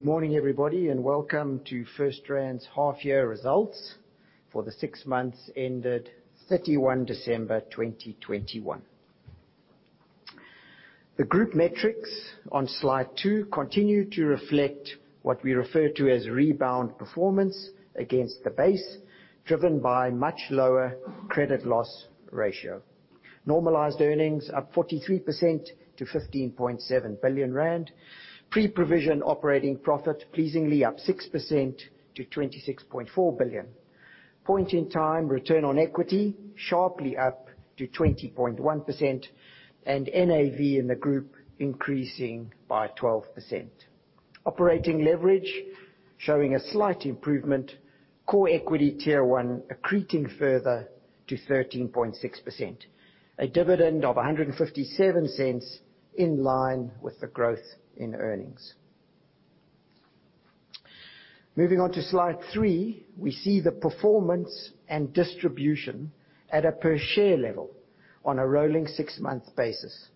Good morning, everybody, and welcome to FirstRand's half-year results for the six months ended 31 December 2021. The group metrics on slide two continue to reflect what we refer to as rebound performance against the base, driven by much lower credit loss ratio. Normalized earnings up 43% to 15.7 billion rand. Pre-provision operating profit pleasingly up 6% to 26.4 billion. Point-in-time return on equity sharply up to 20.1%, and NAV in the group increasing by 12%. Operating leverage showing a slight improvement. Core equity Tier 1 accreting further to 13.6%. A dividend of 1.57 in line with the growth in earnings. Moving on to slide three, we see the performance and distribution at a per share level on a rolling six-month basis.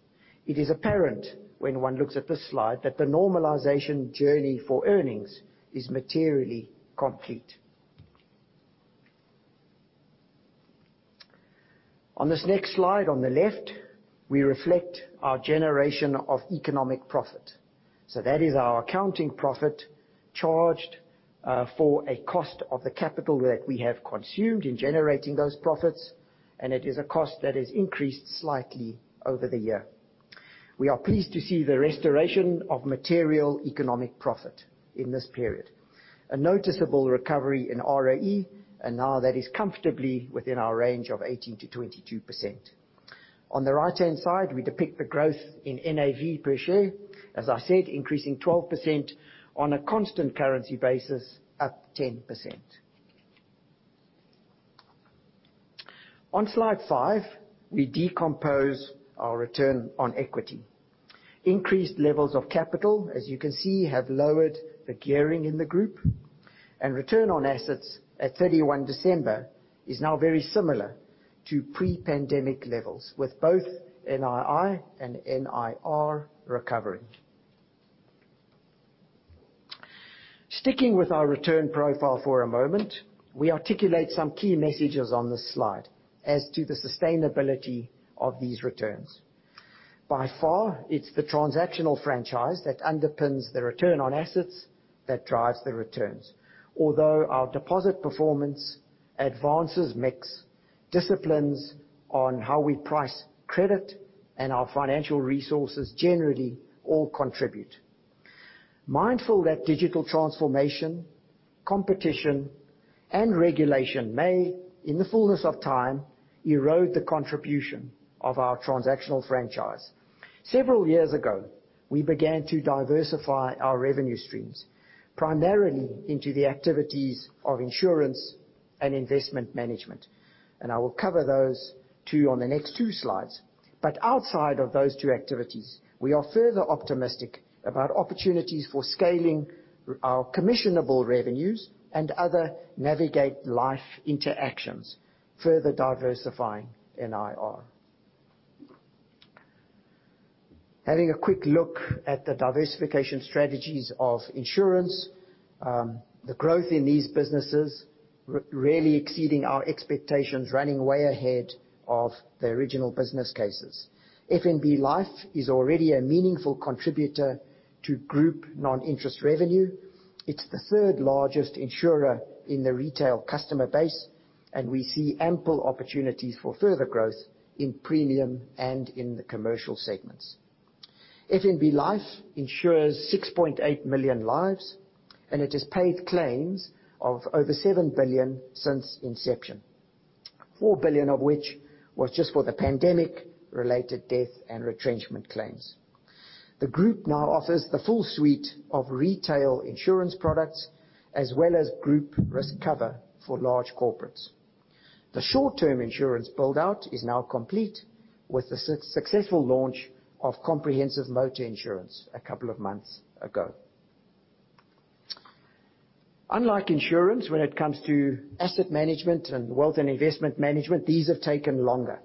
It is apparent when one looks at this slide that the normalization journey for earnings is materially complete. On this next slide, on the left, we reflect our generation of economic profit. That is our accounting profit charged for a cost of the capital that we have consumed in generating those profits, and it is a cost that has increased slightly over the year. We are pleased to see the restoration of material economic profit in this period. A noticeable recovery in ROE, and now that is comfortably within our range of 18%-22%. On the right-hand side, we depict the growth in NAV per share, as I said, increasing 12% on a constant currency basis, up 10%. On slide five, we decompose our return on equity. Increased levels of capital, as you can see, have lowered the gearing in the group. Return on assets at 31 December is now very similar to pre-pandemic levels, with both NII and NIR recovering. Sticking with our return profile for a moment, we articulate some key messages on this slide as to the sustainability of these returns. By far, it's the transactional franchise that underpins the return on assets that drives the returns. Although our deposit performance advances mix disciplines on how we price credit and our financial resources generally all contribute. Mindful that digital transformation, competition, and regulation may, in the fullness of time, erode the contribution of our transactional franchise. Several years ago, we began to diversify our revenue streams, primarily into the activities of insurance and investment management, and I will cover those two on the next two slides. Outside of those two activities, we are further optimistic about opportunities for scaling our commissionable revenues and other navigate life interactions, further diversifying NIR. Having a quick look at the diversification strategies of insurance, the growth in these businesses really exceeding our expectations, running way ahead of the original business cases. FNB Life is already a meaningful contributor to group non-interest revenue. It's the third-largest insurer in the retail customer base, and we see ample opportunities for further growth in premium and in the commercial segments. FNB Life insures 6.8 million lives, and it has paid claims of over 7 billion since inception. 4 billion of which was just for the pandemic-related death and retrenchment claims. The group now offers the full suite of retail insurance products, as well as group risk cover for large corporates. The short-term insurance build-out is now complete with the successful launch of comprehensive motor insurance a couple of months ago. Unlike insurance, when it comes to asset management and wealth and investment management, these have taken longer.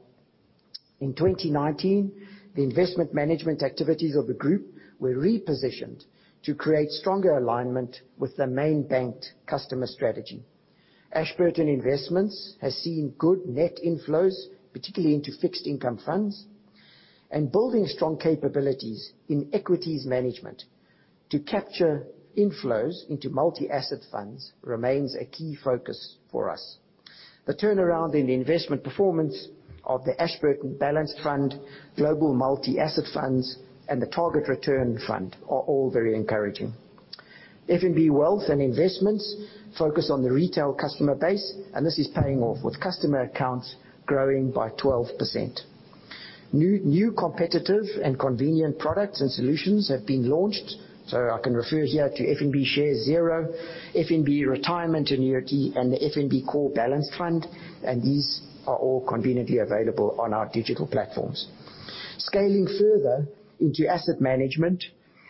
In 2019, the investment management activities of the group were repositioned to create stronger alignment with the main bank customer strategy. Ashburton Investments has seen good net inflows, particularly into fixed income funds. Building strong capabilities in equities management to capture inflows into multi-asset funds remains a key focus for us. The turnaround in the investment performance of the Ashburton Balanced Fund, Global Multi Asset Funds, and the Targeted Return Fund are all very encouraging. FNB Wealth and Investments focus on the retail customer base, and this is paying off, with customer accounts growing by 12%. New competitive and convenient products and solutions have been launched. I can refer here to FNB Shares Zero, FNB Retirement Annuity, and the FNB Core Balanced Fund, and these are all conveniently available on our digital platforms. Scaling further into asset management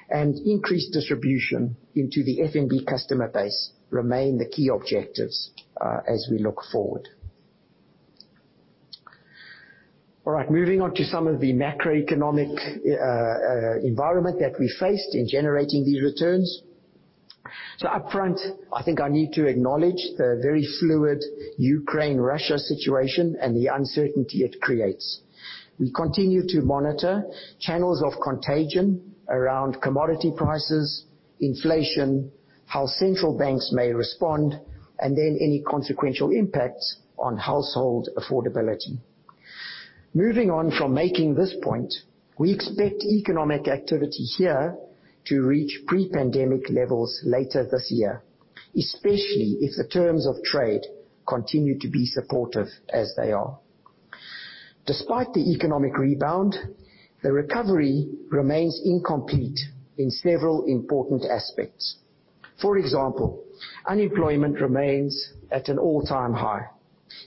and increased distribution into the FNB customer base remain the key objectives, as we look forward. All right, moving on to some of the macroeconomic environment that we faced in generating these returns. Up front, I think I need to acknowledge the very fluid Ukraine-Russia situation and the uncertainty it creates. We continue to monitor channels of contagion around commodity prices, inflation, how central banks may respond, and then any consequential impacts on household affordability. Moving on from making this point, we expect economic activity here to reach pre-pandemic levels later this year, especially if the terms of trade continue to be supportive as they are. Despite the economic rebound, the recovery remains incomplete in several important aspects. For example, unemployment remains at an all-time high.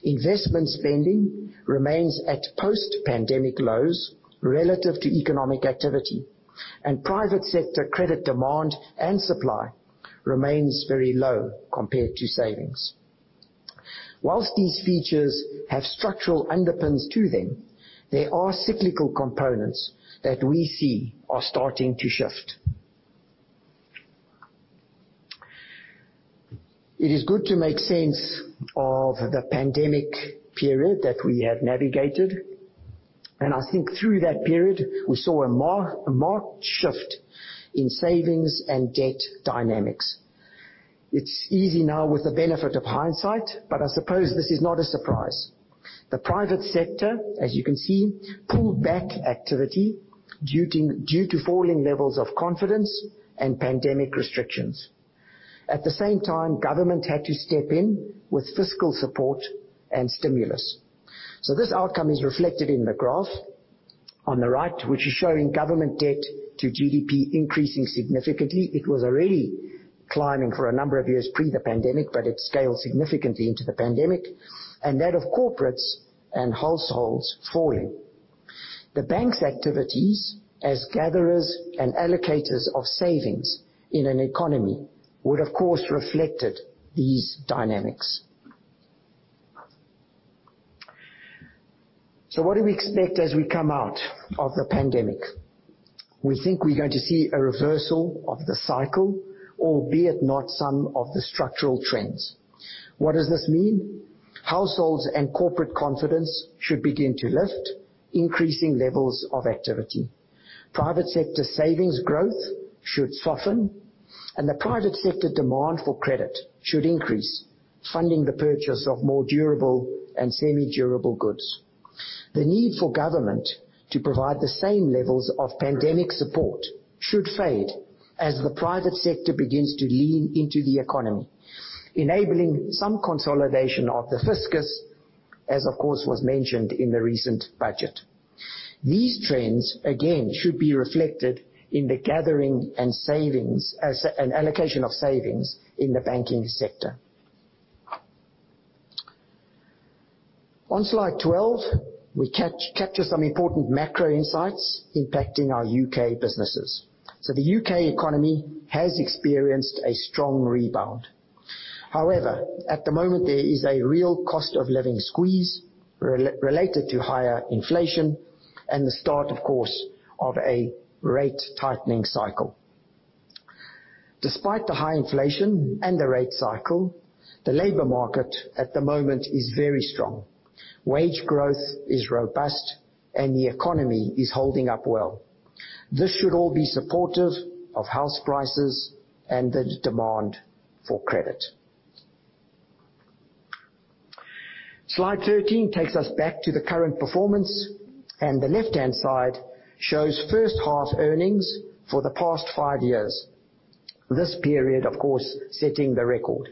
Investment spending remains at post-pandemic lows relative to economic activity, and private sector credit demand and supply remains very low compared to savings. While these features have structural underpins to them, there are cyclical components that we see are starting to shift. It is good to make sense of the pandemic period that we have navigated, and I think through that period, we saw a marked shift in savings and debt dynamics. It's easy now with the benefit of hindsight, but I suppose this is not a surprise. The private sector, as you can see, pulled back activity due to falling levels of confidence and pandemic restrictions. At the same time, government had to step in with fiscal support and stimulus. This outcome is reflected in the graph on the right, which is showing government debt to GDP increasing significantly. It was already climbing for a number of years pre the pandemic, but it scaled significantly into the pandemic, that of corporates and households falling. The bank's activities as gatherers and allocators of savings in an economy would, of course, reflect these dynamics. What do we expect as we come out of the pandemic? We think we're going to see a reversal of the cycle, albeit not some of the structural trends. What does this mean? Households and corporate confidence should begin to lift, increasing levels of activity. Private sector savings growth should soften, and the private sector demand for credit should increase, funding the purchase of more durable and semi-durable goods. The need for government to provide the same levels of pandemic support should fade as the private sector begins to lean into the economy, enabling some consolidation of the fiscus, as of course was mentioned in the recent budget. These trends, again, should be reflected in the gathering and savings and allocation of savings in the banking sector. On slide 12, we capture some important macro insights impacting our U.K. businesses. The U.K. economy has experienced a strong rebound. However, at the moment, there is a real cost of living squeeze related to higher inflation and the start, of course, of a rate tightening cycle. Despite the high inflation and the rate cycle, the labor market at the moment is very strong. Wage growth is robust and the economy is holding up well. This should all be supportive of house prices and the demand for credit. Slide 13 takes us back to the current performance, and the left-hand side shows first half earnings for the past five years. This period, of course, is setting the record.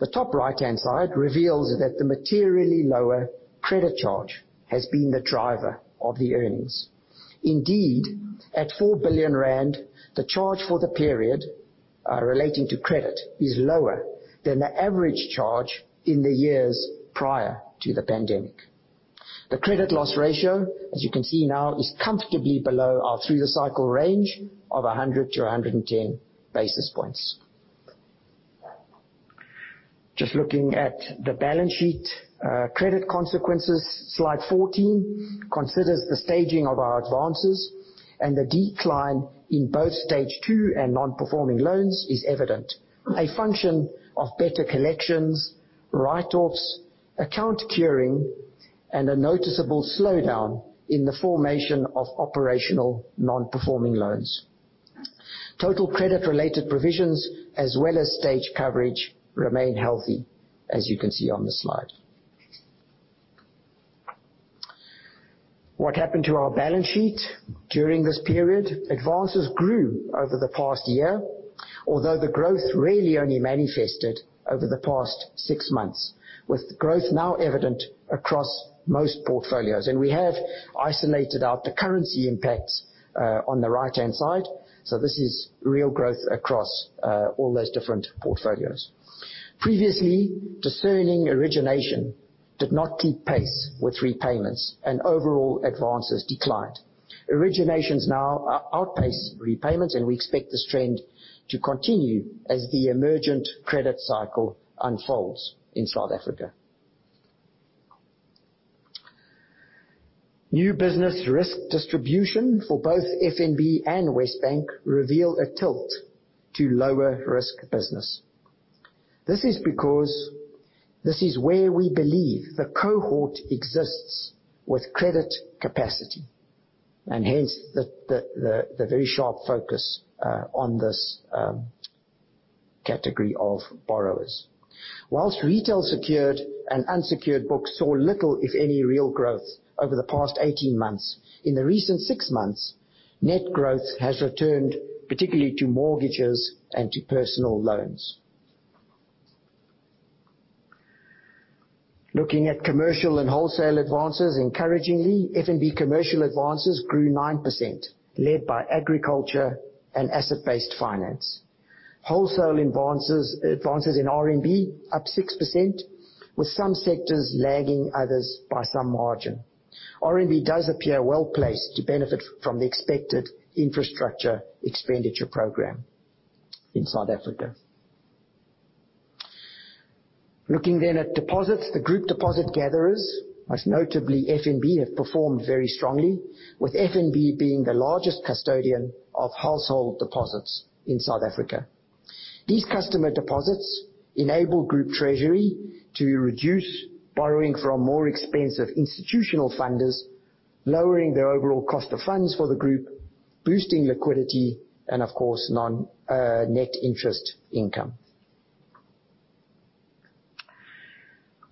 The top right-hand side reveals that the materially lower credit charge has been the driver of the earnings. Indeed, at 4 billion rand, the charge for the period relating to credit is lower than the average charge in the years prior to the pandemic. The credit loss ratio, as you can see now, is comfortably below our through the cycle range of 100-110 basis points. Just looking at the balance sheet credit consequences, Slide 14 considers the staging of our advances and the decline in both Stage two and non-performing loans is evident. A function of better collections, write-offs, account curing, and a noticeable slowdown in the formation of operational non-performing loans. Total credit-related provisions, as well as stage coverage, remain healthy, as you can see on the slide. What happened to our balance sheet during this period? Advances grew over the past year, although the growth really only manifested over the past six months, with growth now evident across most portfolios. We have isolated out the currency impacts on the right-hand side. This is real growth across all those different portfolios. Previously, discerning origination did not keep pace with repayments and overall advances declined. Originations now outpace repayments, and we expect this trend to continue as the emergent credit cycle unfolds in South Africa. New business risk distribution for both FNB and WesBank reveals a tilt to lower risk business. This is because this is where we believe the cohort exists with credit capacity, and hence the very sharp focus on this category of borrowers. While retail secured and unsecured books saw little, if any, real growth over the past 18 months, in the recent six months, net growth has returned particularly to mortgages and to personal loans. Looking at commercial and wholesale advances, encouragingly, FNB commercial advances grew 9% led by agriculture and asset-based finance. Wholesale advances in RMB up 6% with some sectors lagging others by some margin. RMB does appear well-placed to benefit from the expected infrastructure expenditure program in South Africa. Looking at deposits. The group deposit gatherers, most notably FNB, have performed very strongly, with FNB being the largest custodian of household deposits in South Africa. These customer deposits enable Group Treasury to reduce borrowing from more expensive institutional funders, lowering their overall cost of funds for the group, boosting liquidity and of course net interest income.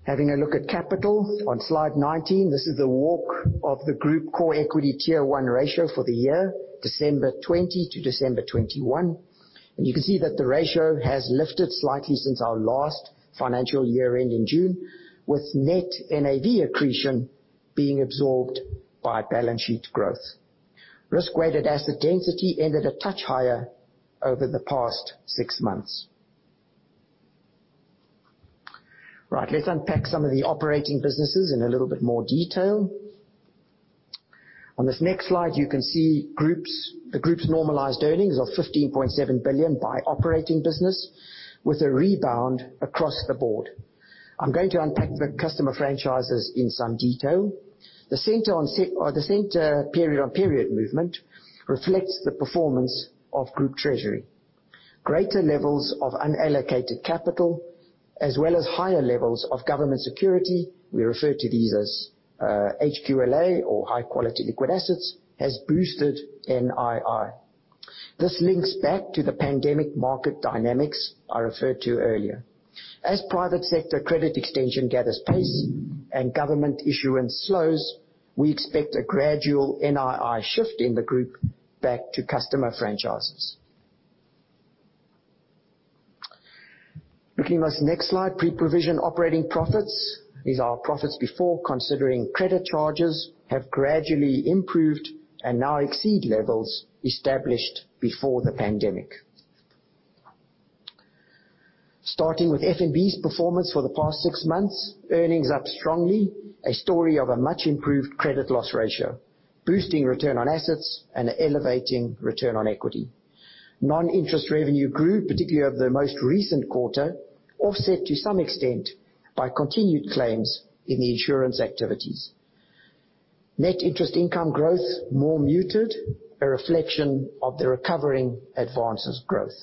Having a look at capital on slide 19. This is the walk of the group core equity tier one ratio for the year, December 2020 to December 2021. You can see that the ratio has lifted slightly since our last financial year end in June with net NAV accretion being absorbed by balance sheet growth. Risk-weighted asset density ended a touch higher over the past 6 months. Right. Let's unpack some of the operating businesses in a little bit more detail. On this next slide, you can see the group's normalized earnings of 15.7 billion by operating business with a rebound across the board. I'm going to unpack the customer franchises in some detail. The central period-on-period movement reflects the performance of Group Treasury. Greater levels of unallocated capital as well as higher levels of government securities, we refer to these as HQLA or high-quality liquid assets, has boosted NII. This links back to the pandemic market dynamics I referred to earlier. As private sector credit extension gathers pace and government issuance slows, we expect a gradual NII shift in the group back to customer franchises. Looking at this next slide, pre-provision operating profits, these are profits before considering credit charges, have gradually improved and now exceed levels established before the pandemic. Starting with FNB's performance for the past six months, earnings up strongly, a story of a much-improved credit loss ratio, boosting return on assets and elevating return on equity. Non-interest revenue grew, particularly over the most recent quarter, offset to some extent by continued claims in the insurance activities. Net interest income growth more muted, a reflection of the recovering advances growth.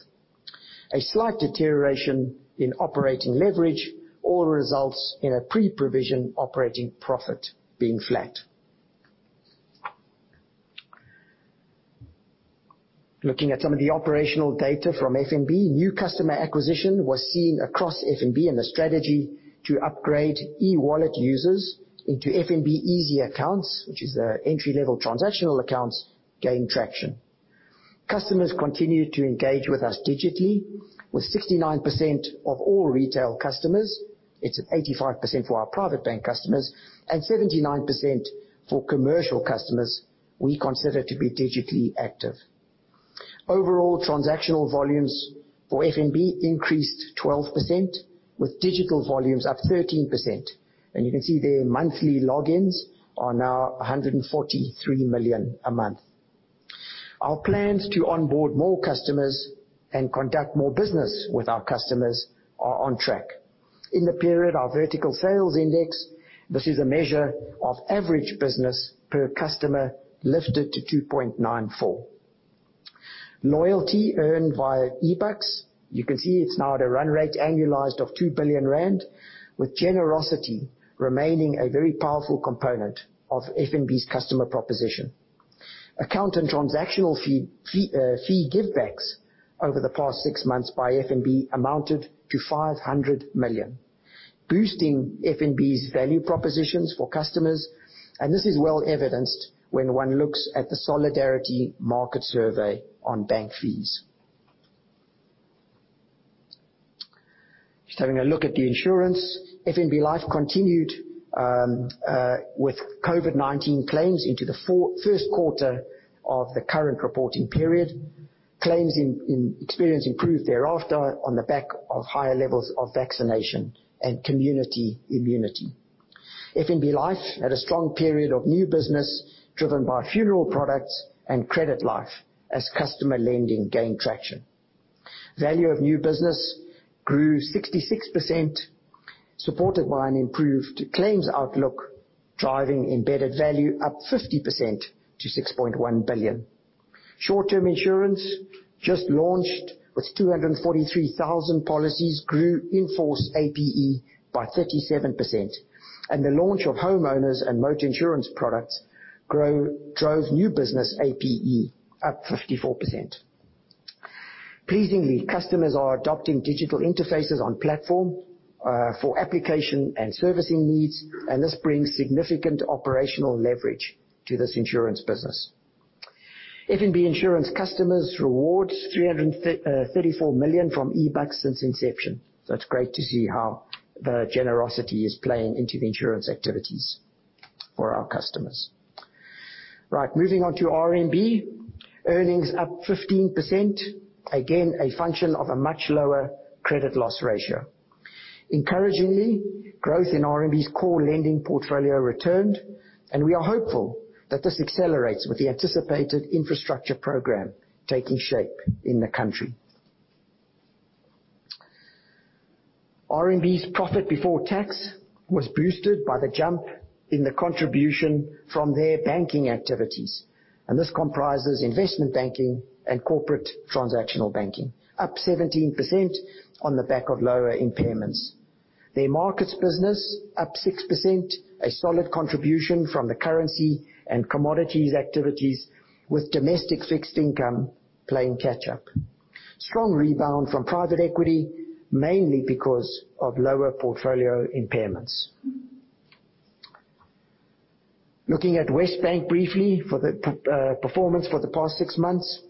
A slight deterioration in operating leverage all results in a pre-provision operating profit being flat. Looking at some of the operational data from FNB. New customer acquisition was seen across FNB in a strategy to upgrade eWallet users into FNB Easy Accounts, which is an entry-level transactional accounts, gained traction. Customers continued to engage with us digitally with 69% of all retail customers, it's 85% for our private bank customers and 79% for commercial customers we consider to be digitally active. Overall transactional volumes for FNB increased 12% with digital volumes up 13%. You can see their monthly logins are now 143 million a month. Our plans to onboard more customers and conduct more business with our customers are on track. In the period, our Vertical Sales Index, this is a measure of average business per customer, lifted to 2.94. Loyalty earned via eBucks. You can see it's now at a run rate annualized of 2 billion rand, with generosity remaining a very powerful component of FNB's customer proposition. Account and transactional fee give backs over the past six months by FNB amounted to 500 million, boosting FNB's value propositions for customers, and this is well evidenced when one looks at the Solidarity market survey on bank fees. Just having a look at the insurance. FNB Life continued with COVID-19 claims into the first quarter of the current reporting period. Claims experience improved thereafter on the back of higher levels of vaccination and community immunity. FNB Life had a strong period of new business driven by funeral products and credit life as customer lending gained traction. Value of new business grew 66%, supported by an improved claims outlook, driving embedded value up 50% to 6.1 billion. Short-term insurance just launched with 243,000 policies grew in-force APE by 37%. The launch of homeowners and motor insurance products drove new business APE up 54%. Pleasingly, customers are adopting digital interfaces on platform for application and servicing needs, and this brings significant operational leverage to this insurance business. FNB insurance customers rewards 334 million from eBucks since inception. It's great to see how the generosity is playing into the insurance activities for our customers. Right, moving on to RMB. Earnings up 15%, again, a function of a much lower credit loss ratio. Encouragingly, growth in RMB's core lending portfolio returned, and we are hopeful that this accelerates with the anticipated infrastructure program taking shape in the country. RMB's profit before tax was boosted by the jump in the contribution from their banking activities. This comprises investment banking and corporate transactional banking, up 17% on the back of lower impairments. Their markets business up 6%, a solid contribution from the currency and commodities activities, with domestic fixed income playing catch-up. Strong rebound from private equity, mainly because of lower portfolio impairments. Looking at WesBank briefly for the performance for the past six months.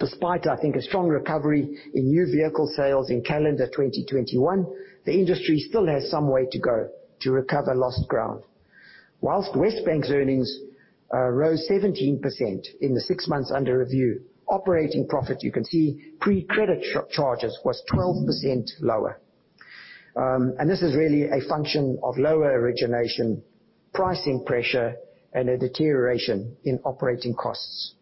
Despite, I think, a strong recovery in new vehicle sales in calendar 2021, the industry still has some way to go to recover lost ground. While WesBank's earnings rose 17% in the six months under review, operating profit, you can see, pre-credit charges was 12% lower. And this is really a function of lower origination, pricing pressure, and a deterioration in operating costs.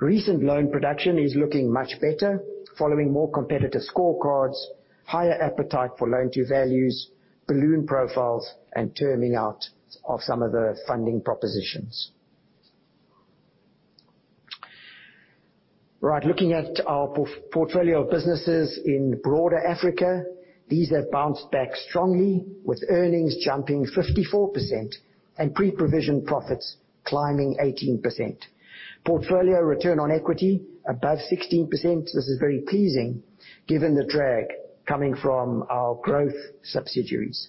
Recent loan production is looking much better following more competitive scorecards, higher appetite for loan-to-value, balloon profiles, and terming out of some of the funding propositions. Right, looking at our portfolio of businesses in broader Africa. These have bounced back strongly with earnings jumping 54% and pre-provision profits climbing 18%. Portfolio return on equity above 16%. This is very pleasing given the drag coming from our growth subsidiaries.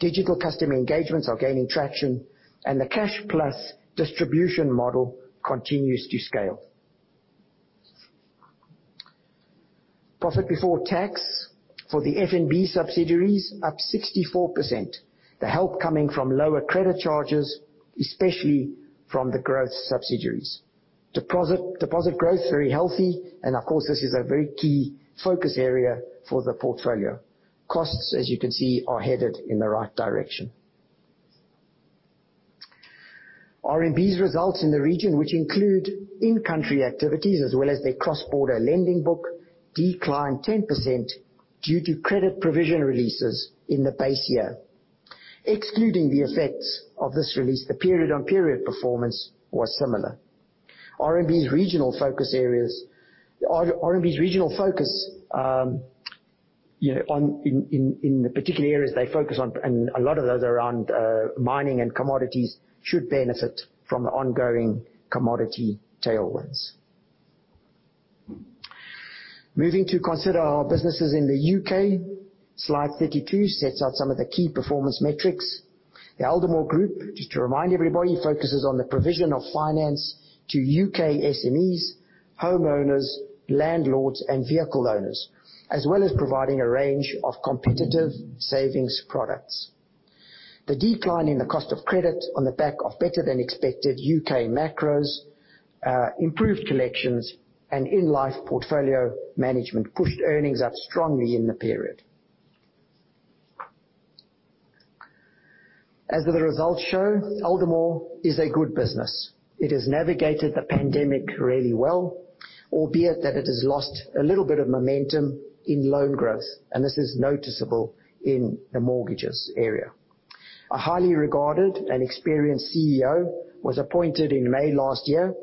Digital customer engagements are gaining traction, and the cash plus distribution model continues to scale. Profit before tax for the FNB subsidiaries up 64%. The help coming from lower credit charges, especially from the growth subsidiaries. Deposit growth very healthy. Of course, this is a very key focus area for the portfolio. Costs, as you can see, are headed in the right direction. RMB's results in the region, which include in-country activities as well as their cross-border lending book, declined 10% due to credit provision releases in the base year. Excluding the effects of this release, the period-on-period performance was similar. RMB's regional focus areas on the particular areas they focus on, and a lot of those around mining and commodities, should benefit from the ongoing commodity tailwinds. Moving to consider our businesses in the U.K. Slide 32 sets out some of the key performance metrics. The Aldermore Group, just to remind everybody, focuses on the provision of finance to U.K. SMEs, homeowners, landlords, and vehicle owners, as well as providing a range of competitive savings products. The decline in the cost of credit on the back of better than expected U.K. macros, improved collections, and in-life portfolio management pushed earnings up strongly in the period. As the results show, Aldermore is a good business. It has navigated the pandemic really well, albeit that it has lost a little bit of momentum in loan growth, and this is noticeable in the mortgages area. A highly regarded and experienced CEO was appointed in May last year,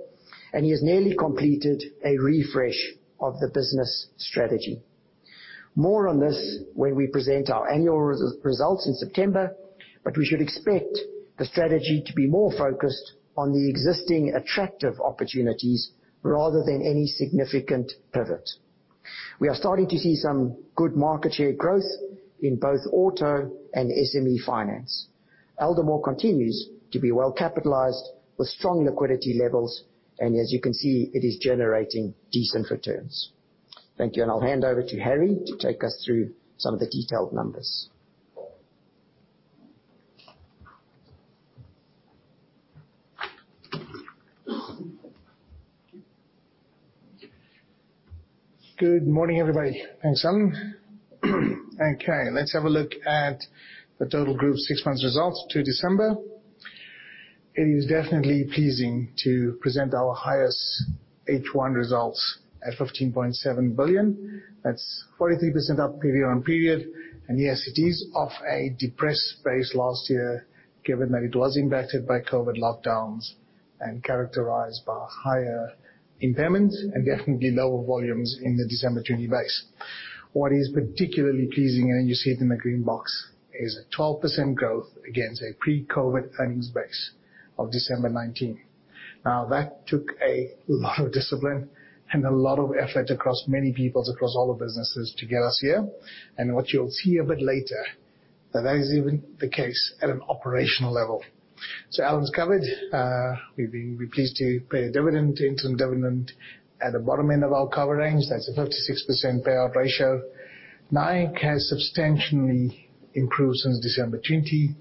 and he has nearly completed a refresh of the business strategy. More on this when we present our annual results in September, but we should expect the strategy to be more focused on the existing attractive opportunities rather than any significant pivot. We are starting to see some good market share growth in both auto and SME finance. Aldermore continues to be well capitalized with strong liquidity levels. As you can see, it is generating decent returns. Thank you. I'll hand over to Harry to take us through some of the detailed numbers. Good morning, everybody. Thanks, Alan. Okay, let's have a look at the total Group's six months results to December. It is definitely pleasing to present our highest H1 results at 15.7 billion. That's 43% up period-on-period. Yes, it is off a depressed base last year, given that it was impacted by COVID lockdowns and characterized by higher impairments and definitely lower volumes in the December 2020 base. What is particularly pleasing, and you see it in the green box, is a 12% growth against a pre-COVID earnings base of December 2019. Now, that took a lot of discipline and a lot of effort across many people across all the businesses to get us here. What you'll see a bit later, that that is even the case at an operational level. Allan's covered, we're pleased to pay a dividend, interim dividend at the bottom end of our cover range. That's a 56% payout ratio. NIC has substantially improved since December 2020.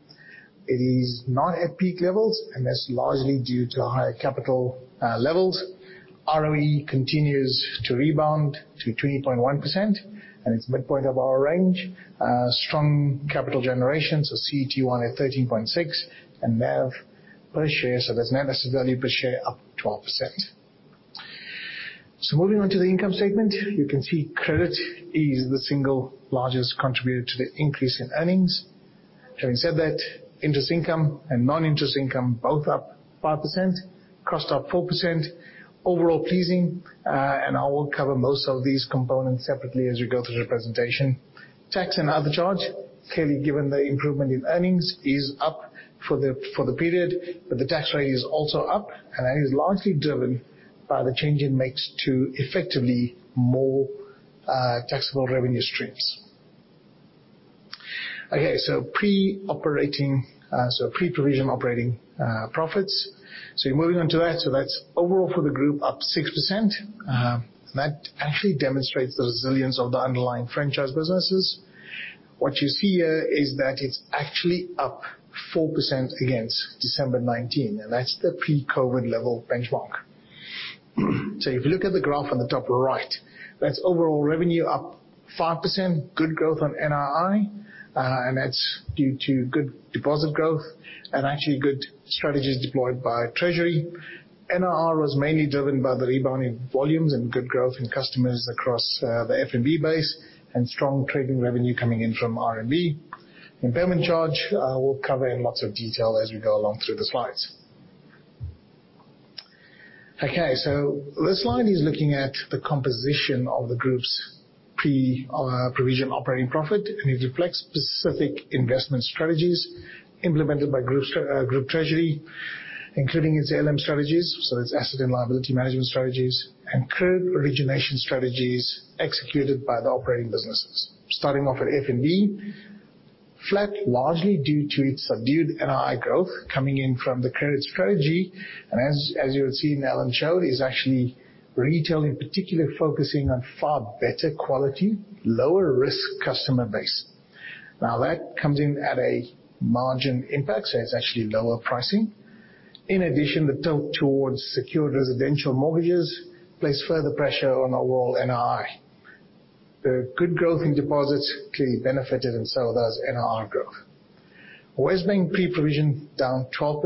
It is not at peak levels, and that's largely due to higher capital levels. ROE continues to rebound to 20.1% and its midpoint of our range. Strong capital generation, CET1 at 13.6 and NAV per share. There's net asset value per share up 12%. Moving on to the income statement, you can see credit is the single largest contributor to the increase in earnings. Having said that, interest income and non-interest income both up 5%, cost up 4%. Overall pleasing. I will cover most of these components separately as we go through the presentation. Tax and other charge, clearly, given the improvement in earnings, is up for the period, but the tax rate is also up, and that is largely driven by the change in mix to effectively more taxable revenue streams. Okay, pre-provision operating profits. Moving on to that. That's overall for the group up 6%. That actually demonstrates the resilience of the underlying franchise businesses. What you see here is that it's actually up 4% against December 2019, and that's the pre-COVID level benchmark. If you look at the graph on the top right, that's overall revenue up 5%. Good growth on NII, and that's due to good deposit growth and actually good strategies deployed by Treasury. NIR was mainly driven by the rebound in volumes and good growth in customers across the FNB base and strong trading revenue coming in from RMB. Impairment charge, we'll cover in lots of detail as we go along through the slides. Okay. This slide is looking at the composition of the group's pre-provision operating profit, and it reflects specific investment strategies implemented by Group Treasury, including its ALM strategies, so its asset and liability management strategies, and credit origination strategies executed by the operating businesses. Starting off at FNB, flat largely due to its subdued NII growth coming in from the credit strategy as you would see in Alan's show is actually retail, in particular, focusing on far better quality, lower risk customer base. Now, that comes in at a margin impact, so it's actually lower pricing. In addition, the tilt towards secured residential mortgages places further pressure on our overall NII. The good growth in deposits clearly benefited, and so does NIR growth. WesBank pre-provision down 12%,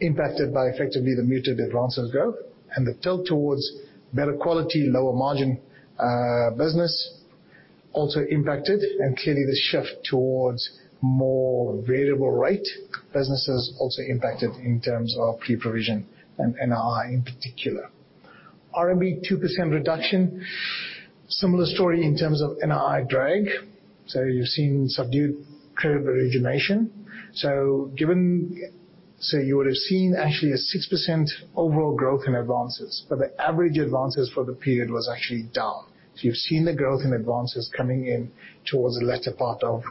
impacted by effectively the muted advances growth and the tilt towards better quality, lower margin, business also impacted, and clearly the shift towards more variable rate businesses also impacted in terms of pre-provision and NII in particular. RMB, 2% reduction. Similar story in terms of NII drag. You've seen subdued credit origination. You would have seen actually a 6% overall growth in advances, but the average advances for the period was actually down. You've seen the growth in advances coming in towards the latter part of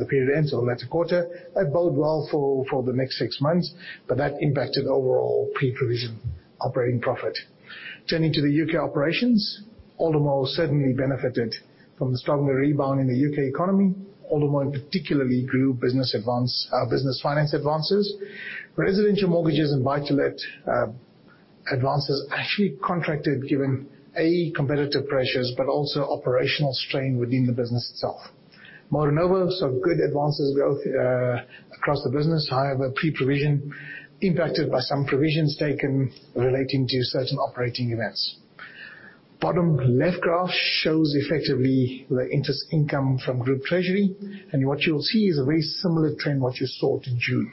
the period end, so latter quarter. They bode well for the next six months, but that impacted overall pre-provision operating profit. Turning to the U.K. operations, Aldermore certainly benefited from the stronger rebound in the U.K. economy. Aldermore particularly grew business finance advances. Residential mortgages and buy-to-let advances actually contracted given competitive pressures, but also operational strain within the business itself. Virgin Money, good advances growth across the business. However, pre-provision impacted by some provisions taken relating to certain operating events. Bottom left graph shows effectively the interest income from Group Treasury, and what you'll see is a very similar trend, what you saw up to June.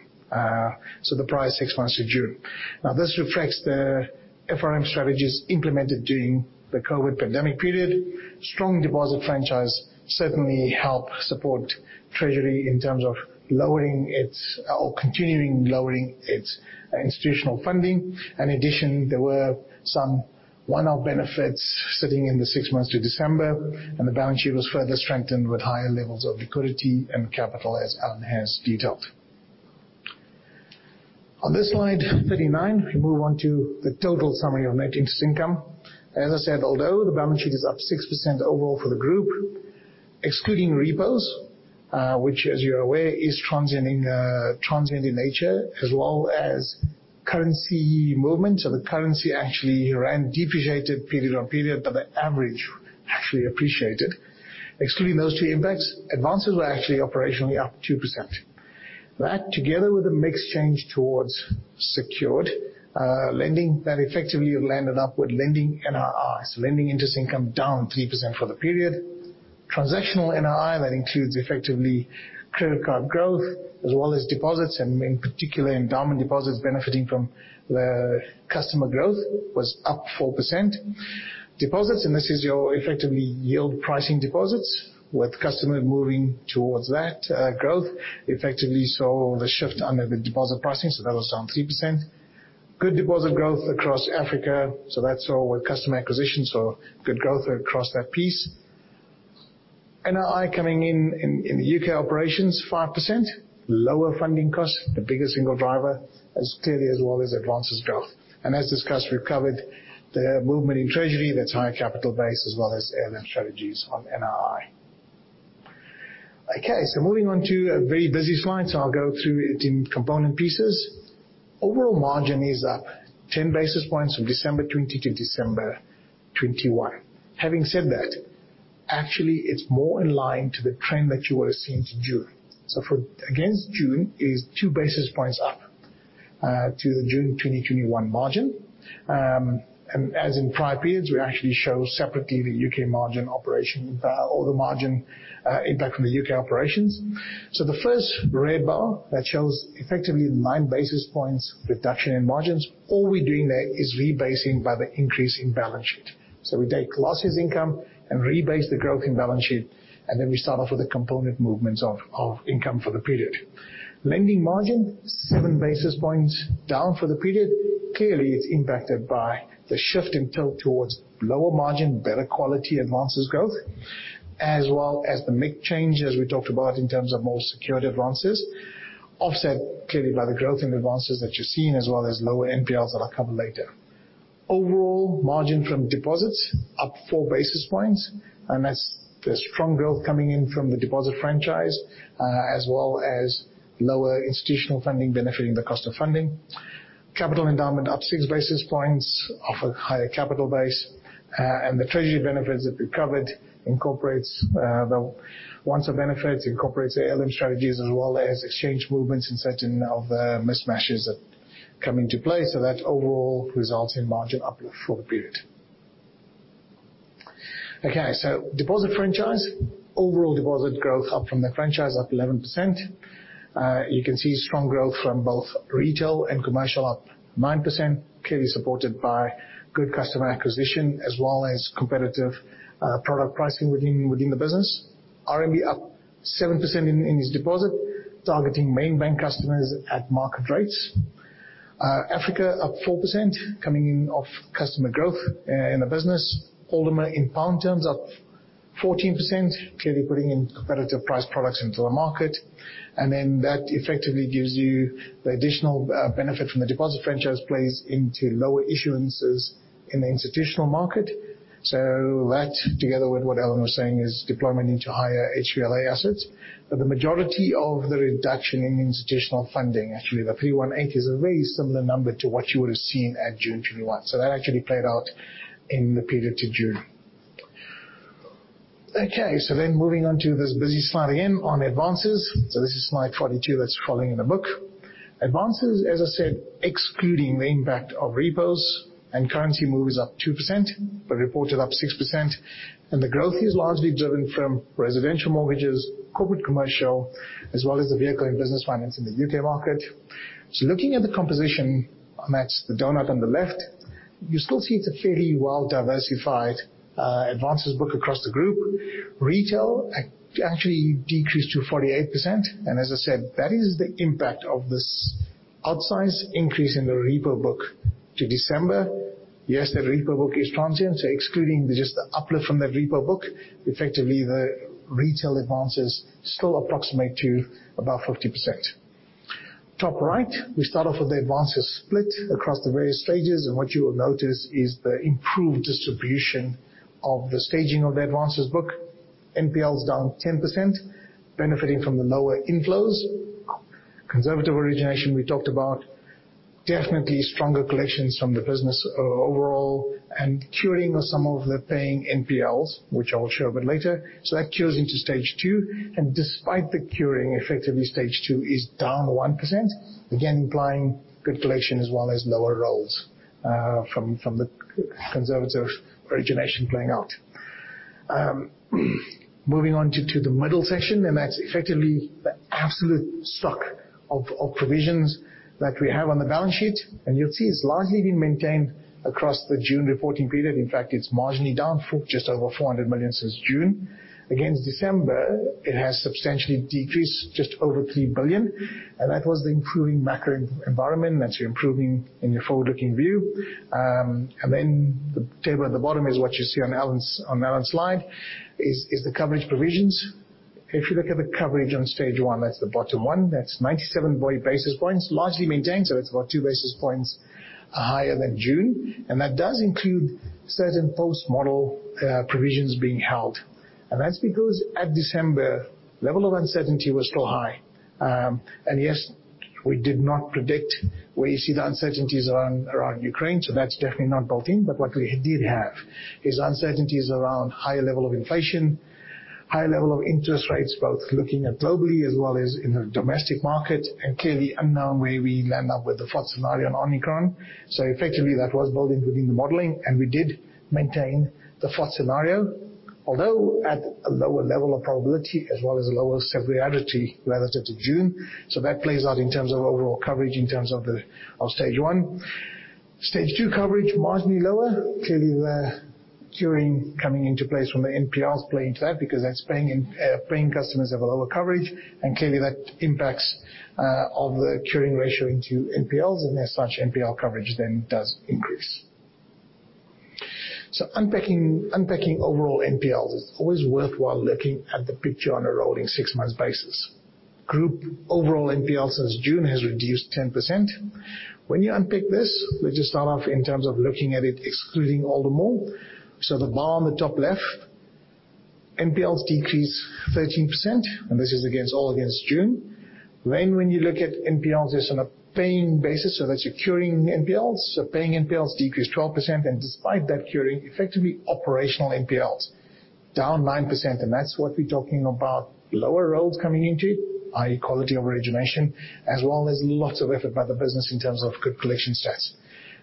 So the prior six months up to June. Now, this reflects the FRM strategies implemented during the COVID pandemic period. Strong deposit franchise certainly help support Treasury in terms of lowering its or continuing to lower its institutional funding. In addition, there were some one-off benefits sitting in the six months to December, and the balance sheet was further strengthened with higher levels of liquidity and capital, as Alan has detailed. On this slide, 39, we move on to the total summary of net interest income. As I said, although the balance sheet is up 6% overall for the group, excluding repos, which as you're aware, is transient in nature, as well as currency movement. The rand actually depreciated period-on-period, but the average actually appreciated. Excluding those two impacts, advances were actually operationally up 2%. That, together with a mix change towards secured lending, that effectively led upward lending NII. Lending interest income down 3% for the period. Transactional NII, that includes effectively credit card growth as well as deposits, and in particular, endowment deposits benefiting from the customer growth, was up 4%. Deposits, and this is your effectively yield pricing deposits, with customer moving towards that, growth, effectively saw the shift under the deposit pricing, so that was down 3%. Good deposit growth across Africa. That's all with customer acquisition. Good growth across that piece. NII coming in the U.K. operations, 5%. Lower funding costs, the biggest single driver, as clearly as well as advances growth. As discussed, we've covered the movement in treasury that's higher capital base as well as ALM strategies on NII. Okay, moving on to a very busy slide. I'll go through it in component pieces. Overall margin is up 10 basis points from December 2020 to December 2021. Having said that, actually, it's more in line with the trend that you would have seen up to June. So against June, it is two basis points up to the June 2021 margin. As in prior periods, we actually show separately the U.K. margin operation or the margin impact from the U.K. operations. So the first red bar that shows effectively nine basis points reduction in margins, all we're doing there is rebasing by the increase in balance sheet. So we take net interest income and rebase the growth in balance sheet, and then we start off with the component movements of income for the period. Lending margin, seven basis points down for the period. Clearly, it's impacted by the shift in tilt towards lower margin, better quality advances growth, as well as the mix change, as we talked about in terms of more secured advances. Offset clearly by the growth in advances that you're seeing, as well as lower NPLs that I'll cover later. Overall margin from deposits up four basis points, and that's the strong growth coming in from the deposit franchise, as well as lower institutional funding benefiting the cost of funding. Capital endowment up six basis points off a higher capital base. The treasury benefits that we covered incorporates the ALM strategies as well as exchange movements and certain other mismatches that come into play, so that overall results in margin uplift for the period. Okay, deposit franchise. Overall deposit growth up from the franchise up 11%. You can see strong growth from both retail and commercial up 9%, clearly supported by good customer acquisition as well as competitive product pricing within the business. RMB up 7% in its deposit, targeting main bank customers at market rates. Africa up 4%, coming in off customer growth in the business. London in pound terms up 14%, clearly putting in competitive price products into the market. Then that effectively gives you the additional benefit from the deposit franchise plays into lower issuances in the institutional market. That, together with what Alan was saying, is deployment into higher HQLA assets. The majority of the reduction in institutional funding, actually the 318 is a very similar number to what you would have seen at June 2021. That actually played out in the period to June. Okay, moving on to this busy slide again on advances. This is slide 42 that's found in the book. Advances, as I said, excluding the impact of repos and currency move is up 2%, but reported up 6%. The growth is largely driven from residential mortgages, corporate commercial, as well as the vehicle and business finance in the U.K. market. Looking at the composition, and that's the donut on the left, you still see it's a fairly well-diversified advances book across the group. Retail actually decreased to 48%. As I said, that is the impact of this outsize increase in the repo book to December. Yes, the repo book is transient, so excluding just the uplift from the repo book, effectively, the retail advances still approximate to about 50%. Top right, we start off with the advances split across the various stages, and what you will notice is the improved distribution of the staging of the advances book. NPLs down 10%, benefiting from the lower inflows. Conservative origination, we talked about. Definitely stronger collections from the business overall. Curing of some of the paying NPLs, which I will show a bit later. That cures into Stage two. Despite the curing, effectively, Stage two is down 1%. Again, implying good collection as well as lower rolls from the conservative origination playing out. Moving on to the middle section, that's effectively the absolute stock of provisions that we have on the balance sheet. You'll see it's largely been maintained across the June reporting period. In fact, it's marginally down by just over 400 million since June. Against December, it has substantially decreased just over 3 billion. That was due to the improving macro environment that's improving in your forward-looking view. The table at the bottom is what you see on Allan's slide, is the coverage provisions. If you look at the coverage on Stage one, that's the bottom one. That's 97 basis points, largely maintained, so that's about two basis points are higher than June. That does include certain post-model provisions being held. That's because at December, level of uncertainty was still high. Yes, we did not predict where you see the uncertainties around Ukraine, so that's definitely not built in. What we did have is uncertainties around higher level of inflation, higher level of interest rates, both looking at globally as well as in the domestic market, and clearly unknown where we end up with the flat scenario on Omicron. Effectively, that was built into the modeling, and we did maintain the flat scenario. Although at a lower level of probability as well as a lower severity relative to June. That plays out in terms of overall coverage, in terms of Stage one. Stage two coverage, marginally lower. Clearly, the curing coming into place from the NPL is playing to that because that's paying customers have a lower coverage. Clearly, that impacts the curing ratio into NPLs, and as such, NPL coverage then does increase. Unpacking overall NPL is always worthwhile looking at the picture on a rolling six months basis. Group overall NPL since June has reduced 10%. When you unpick this, let's just start off in terms of looking at it excluding Aldermore. The bar on the top left, NPLs decreased 13%, and this is all against June. When you look at NPLs just on a paying basis, so that's your curing NPLs. Paying NPLs decreased 12%, and despite that curing, effectively operational NPLs down 9%. That's what we're talking about lower roads coming into, i.e. quality of origination, as well as lots of effort by the business in terms of good collection stats.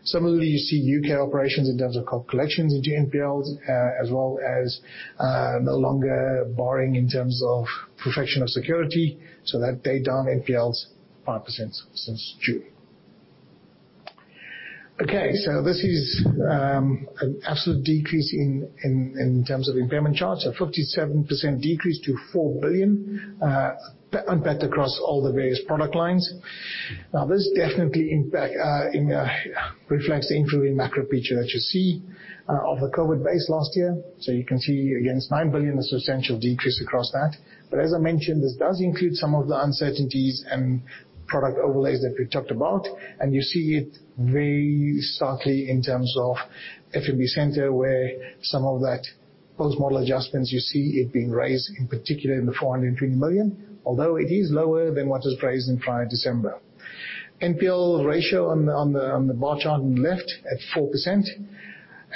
Similarly, you see U.K. operations in terms of collections into NPLs, as well as no longer borrowing in terms of perfection of security. That drove down NPLs 5% since June. Okay, this is an absolute decrease in terms of impairment charge. 57% decrease to 4 billion, unpacked across all the various product lines. Now, this definite impact reflects the improving macro picture that you see from the COVID base last year. You can see against 9 billion, a substantial decrease across that. As I mentioned, this does include some of the uncertainties and product overlays that we talked about. You see it very subtly in terms of FNB center, where some of that post-model adjustments, you see it being raised, in particular in the 420 million. Although it is lower than what was raised in prior December. NPL ratio on the bar chart on the left at 4%,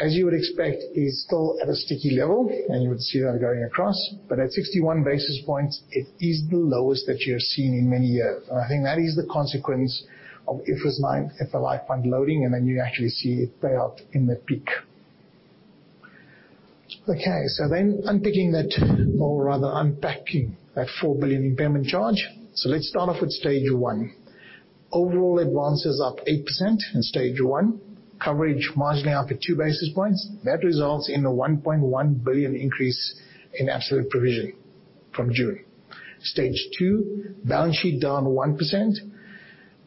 as you would expect, is still at a sticky level, and you would see that going across. At 61 basis points, it is the lowest that you have seen in many years. I think that is the consequence of IFRS 9, the life fund loading, and then you actually see it pay out in the peak. Okay, unpicking that, or rather unpacking that 4 billion impairment charge. Let's start off with Stage one. Overall advances up 8% in Stage one. Coverage marginally up at two basis points. That results in a 1.1 billion increase in absolute provision from June. Stage two, balance sheet down 1%.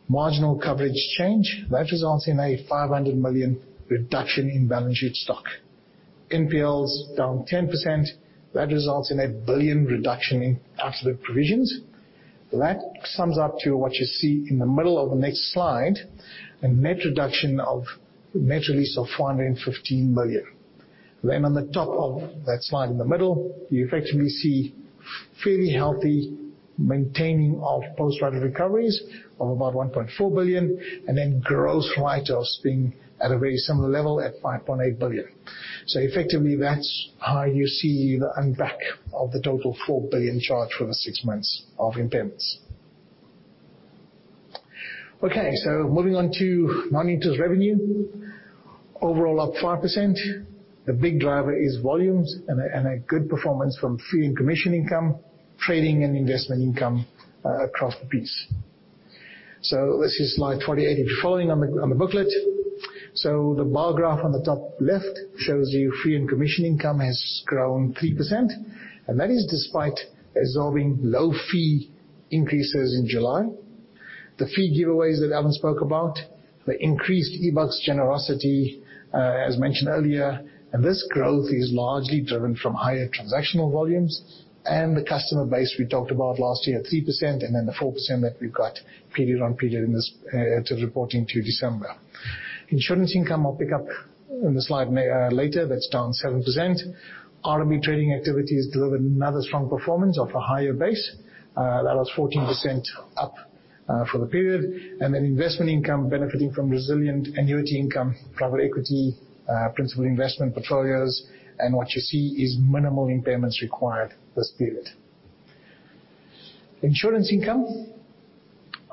Marginal coverage change. That results in a 500 million reduction in balance sheet stock. NPLs down 10%. That results in a 1 billion reduction in absolute provisions. That sums up to what you see in the middle of the next slide, a net reduction of net release of 415 billion. On the top of that slide in the middle, you effectively see fairly healthy maintaining of post-run recoveries of about 1.4 billion, and then gross write-offs being at a very similar level at 5.8 billion. Effectively, that's how you see the unpack of the total 4 billion charge for the six months of impairments. Okay, moving on to non-interest revenue. Overall, up 5%. The big driver is volumes and a good performance from fee and commission income, trading and investment income across the piece. This is slide 28 if you're following on the booklet. The bar graph on the top left shows you fee and commission income has grown 3%, and that is despite absorbing low fee increases in July. The fee giveaways that Alan spoke about, the increased eBucks generosity, as mentioned earlier, and this growth is largely driven from higher transactional volumes. The customer base we talked about last year, 3%, and then the 4% that we've got period-on-period in this reporting period to December. Insurance income. I'll pick up on the slide maybe later. That's down 7%. RMB trading activities delivered another strong performance off a higher base. That was 14% up for the period. Investment income benefiting from resilient annuity income, private equity, principal investment portfolios. What you see is minimal impairments required this period. Insurance income,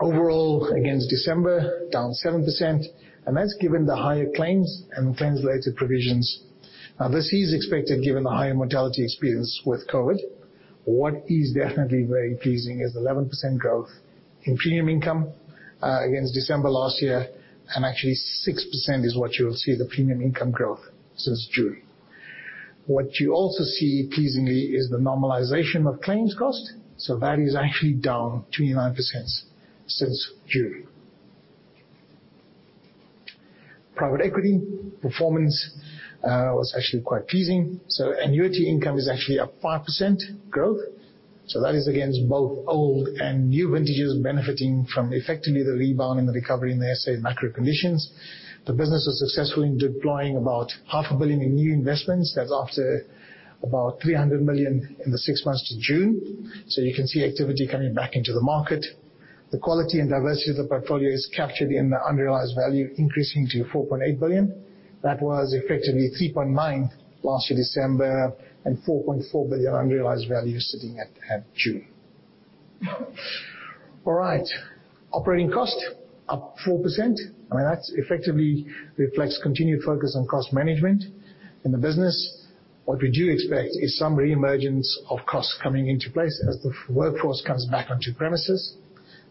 overall against December, down 7%, and that's given the higher claims and claims-related provisions. This is expected given the higher mortality experience with COVID. What is definitely very pleasing is 11% growth in premium income against December last year. Actually, 6% is what you'll see, the premium income growth since June. What you also see pleasingly is the normalization of claims cost. That is actually down 29% since June. Private equity performance was actually quite pleasing. Annuity income is actually up 5% growth. That is against both old and new vintages benefiting from effectively the rebound and the recovery in the SA macro conditions. The business is successful in deploying about ZAR half a billion in new investments. That's after about 300 million in the six months to June, so you can see activity coming back into the market. The quality and diversity of the portfolio is captured in the unrealized value, increasing to 4.8 billion. That was effectively 3.9 billion last year December, and 4.4 billion unrealized value sitting at June. All right. Operating cost up 4%. I mean, that effectively reflects continued focus on cost management in the business. What we do expect is some reemergence of costs coming into place as the full workforce comes back onto premises.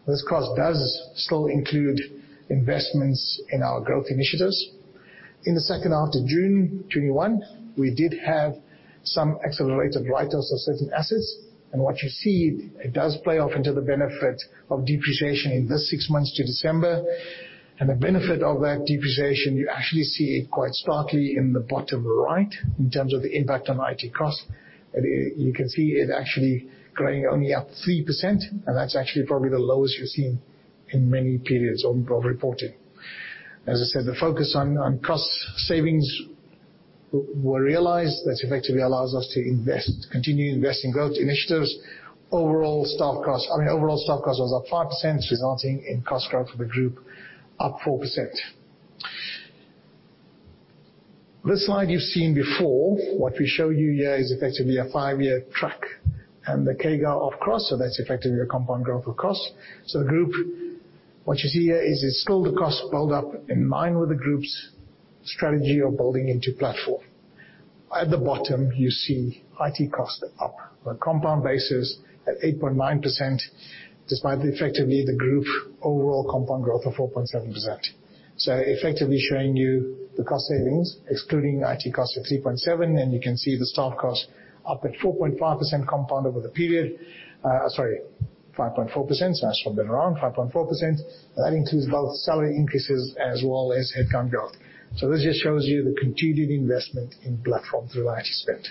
This cost does still include investments in our growth initiatives. In the second half to June 2021, we did have some accelerated write-offs of certain assets, and what you see, it does play off into the benefit of depreciation in this six months to December. The benefit of that depreciation, you actually see it quite starkly in the bottom right in terms of the impact on IT costs. You can see it actually growing only up 3%, and that's actually probably the lowest you've seen in many periods of reporting. As I said, the focus on cost savings were realized. That effectively allows us to invest, continue investing growth initiatives. Overall staff costs. I mean, overall staff costs was up 5%, resulting in cost growth for the group up 4%. This slide you've seen before. What we show you here is effectively a five-year track and the CAGR of costs, so that's effectively your compound growth of costs. The group, what you see here is it's still the cost build up in line with the group's strategy of building into platform. At the bottom, you see IT costs are up on a compound basis at 8.9%, despite effectively the group overall compound growth of 4.7%. Effectively showing you the cost savings excluding IT costs of 3.7%, and you can see the staff costs up at 4.5% compound over the period. Sorry, 5.4%. That's probably wrong. 5.4%. That includes both salary increases as well as headcount growth. This just shows you the continued investment in platform through IT spend.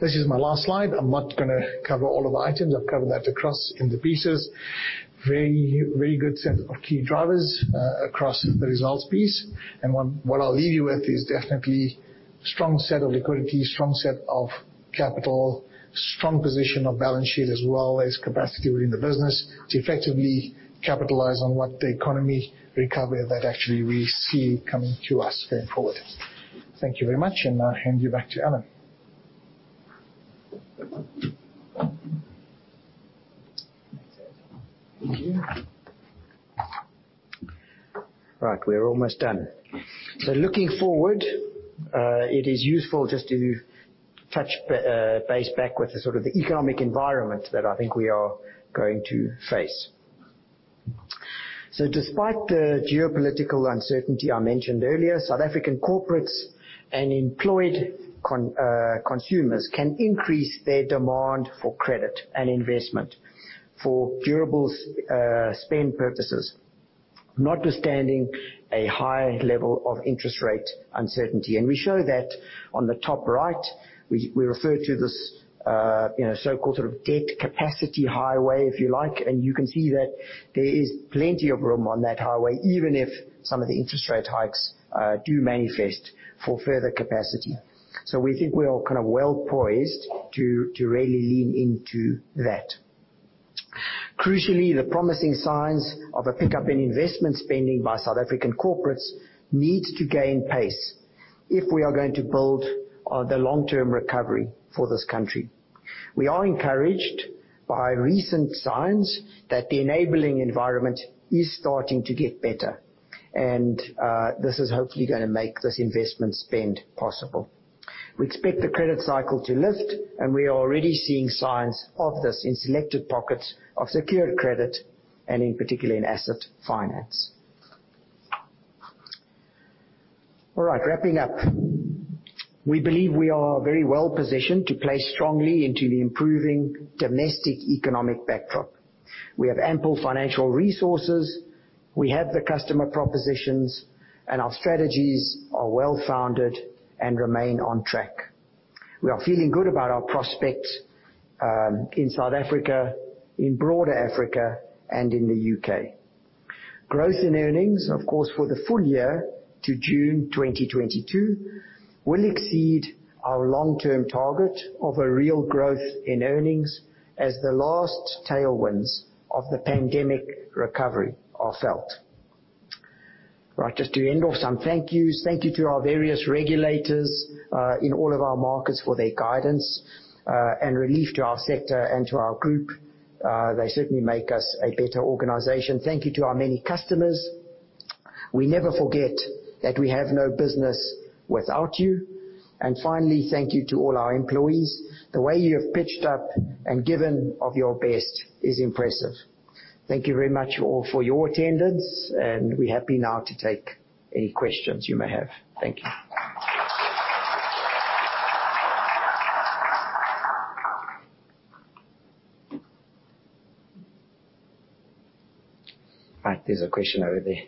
This is my last slide. I'm not gonna cover all of the items. I've covered that across in the pieces. Very, very good set of key drivers, across the results piece. What I'll leave you with is definitely strong set of liquidity, strong set of capital, strong position of balance sheet, as well as capacity within the business to effectively capitalize on what the economy recovery that actually we see coming to us going forward. Thank you very much, and I'll hand you back to Alan. Thank you. Right. We're almost done. Looking forward, it is useful just to touch base with the sort of the economic environment that I think we are going to face. Despite the geopolitical uncertainty I mentioned earlier, South African corporates and employed consumers can increase their demand for credit and investment for durables spend purposes, notwithstanding a high level of interest rate uncertainty. We show that on the top right. We refer to this, you know, so-called sort of debt capacity highway, if you like, and you can see that there is plenty of room on that highway, even if some of the interest rate hikes do manifest for further capacity. We think we are kind of well poised to really lean into that. Crucially, the promising signs of a pickup in investment spending by South African corporates need to gain pace if we are going to build the long-term recovery for this country. We are encouraged by recent signs that the enabling environment is starting to get better, and this is hopefully gonna make this investment spend possible. We expect the credit cycle to lift, and we are already seeing signs of this in selected pockets of secured credit and in particular in asset finance. All right. Wrapping up. We believe we are very well positioned to play strongly into the improving domestic economic backdrop. We have ample financial resources, we have the customer propositions, and our strategies are well-founded and remain on track. We are feeling good about our prospects in South Africa, in broader Africa, and in the U.K. Growth in earnings, of course, for the full year to June 2022, will exceed our long-term target of a real growth in earnings as the last tailwinds of the pandemic recovery are felt. Right. Just to end off some thank yous. Thank you to our various regulators in all of our markets for their guidance and relief to our sector and to our group. They certainly make us a better organization. Thank you to our many customers. We never forget that we have no business without you. Finally, thank you to all our employees. The way you have pitched up and given of your best is impressive. Thank you very much all for your attendance, and we're happy now to take any questions you may have. Thank you. Right. There's a question over there.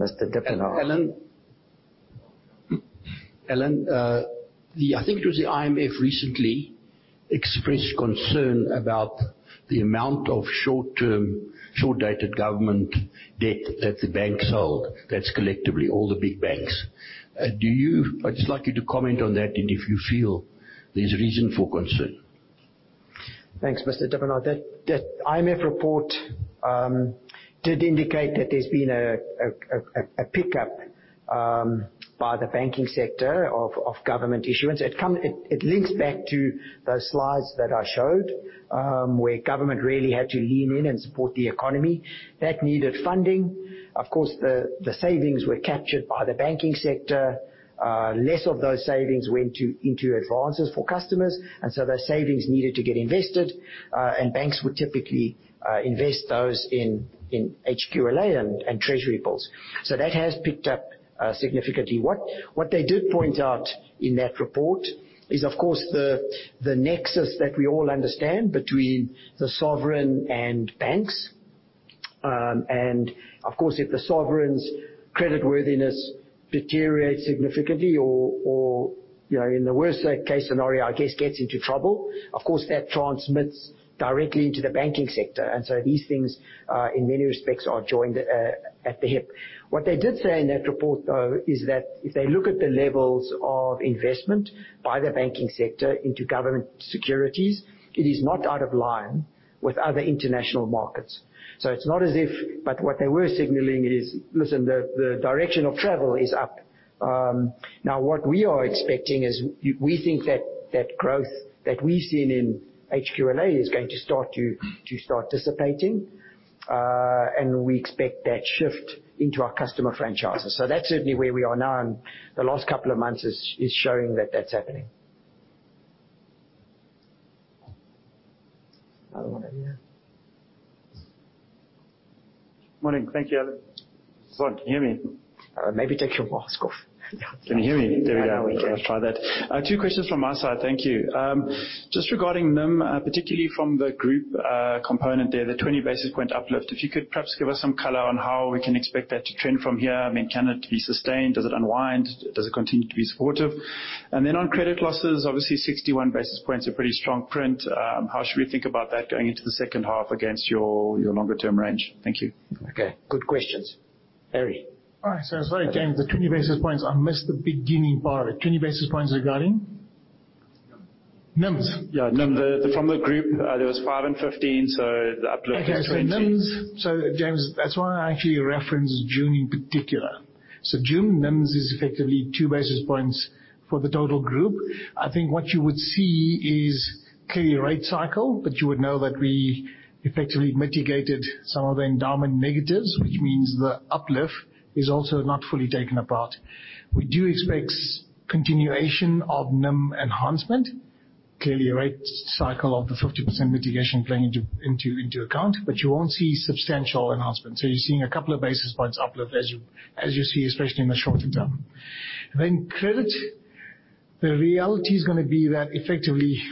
Mr. Dipenaar. Alan, I think it was the IMF recently expressed concern about the amount of short-term, short-dated government debt that the banks hold. That's collectively all the big banks. I'd just like you to comment on that, and if you feel there's reason for concern. Thanks, Mr. Dipenaar. That IMF report did indicate that there's been a pickup by the banking sector of government issuance. It links back to those slides that I showed, where government really had to lean in and support the economy. That needed funding. Of course, the savings were captured by the banking sector. Less of those savings went into advances for customers, and so those savings needed to get invested. Banks would typically invest those in HQLA and treasury bills. That has picked up significantly. What they did point out in that report is, of course, the nexus that we all understand between the sovereign and banks. Of course, if the sovereign's creditworthiness deteriorates significantly or you know, in the worst case scenario, I guess, gets into trouble, of course, that transmits directly into the banking sector. These things in many respects are joined at the hip. What they did say in that report, though, is that if they look at the levels of investment by the banking sector into government securities, it is not out of line with other international markets. It's not as if what they were signaling is, listen, the direction of travel is up. Now what we are expecting is we think that that growth that we've seen in HQLA is going to start to dissipate. We expect that shift into our customer franchises. That's certainly where we are now, and the last couple of months is showing that that's happening. Another one over here. Morning. Thank you, Alan. Sorry, can you hear me? Maybe take your mask off. Can you hear me? There we go. Now we can. Let's try that. Two questions from my side. Thank you. Just regarding NIM, particularly from the group component there, the 20 basis point uplift. If you could perhaps give us some color on how we can expect that to trend from here. I mean, can it be sustained? Does it unwind? Does it continue to be supportive? On credit losses, obviously 61 basis points, a pretty strong print. How should we think about that going into the second half against your longer term range? Thank you. Okay. Good questions. Harry. All right. Sorry, James. The 20 basis points, I missed the beginning part of it. 20 basis points regarding NIMs? Yeah, NIM. From the group, there was 5% and 15%, so the uplift was 20%. Okay. NIMs. James, that's why I actually referenced June in particular. June NIMs is effectively two basis points for the total group. I think what you would see is clearly rate cycle, but you would know that we effectively mitigated some of the endowment negatives, which means the uplift is also not fully taken apart. We do expect continuation of NIM enhancement. Clearly, a rate cycle of the 50% mitigation playing into account, but you won't see substantial enhancement. You're seeing a couple of basis points uplift as you see, especially in the shorter term. Credit, the reality is gonna be that effectively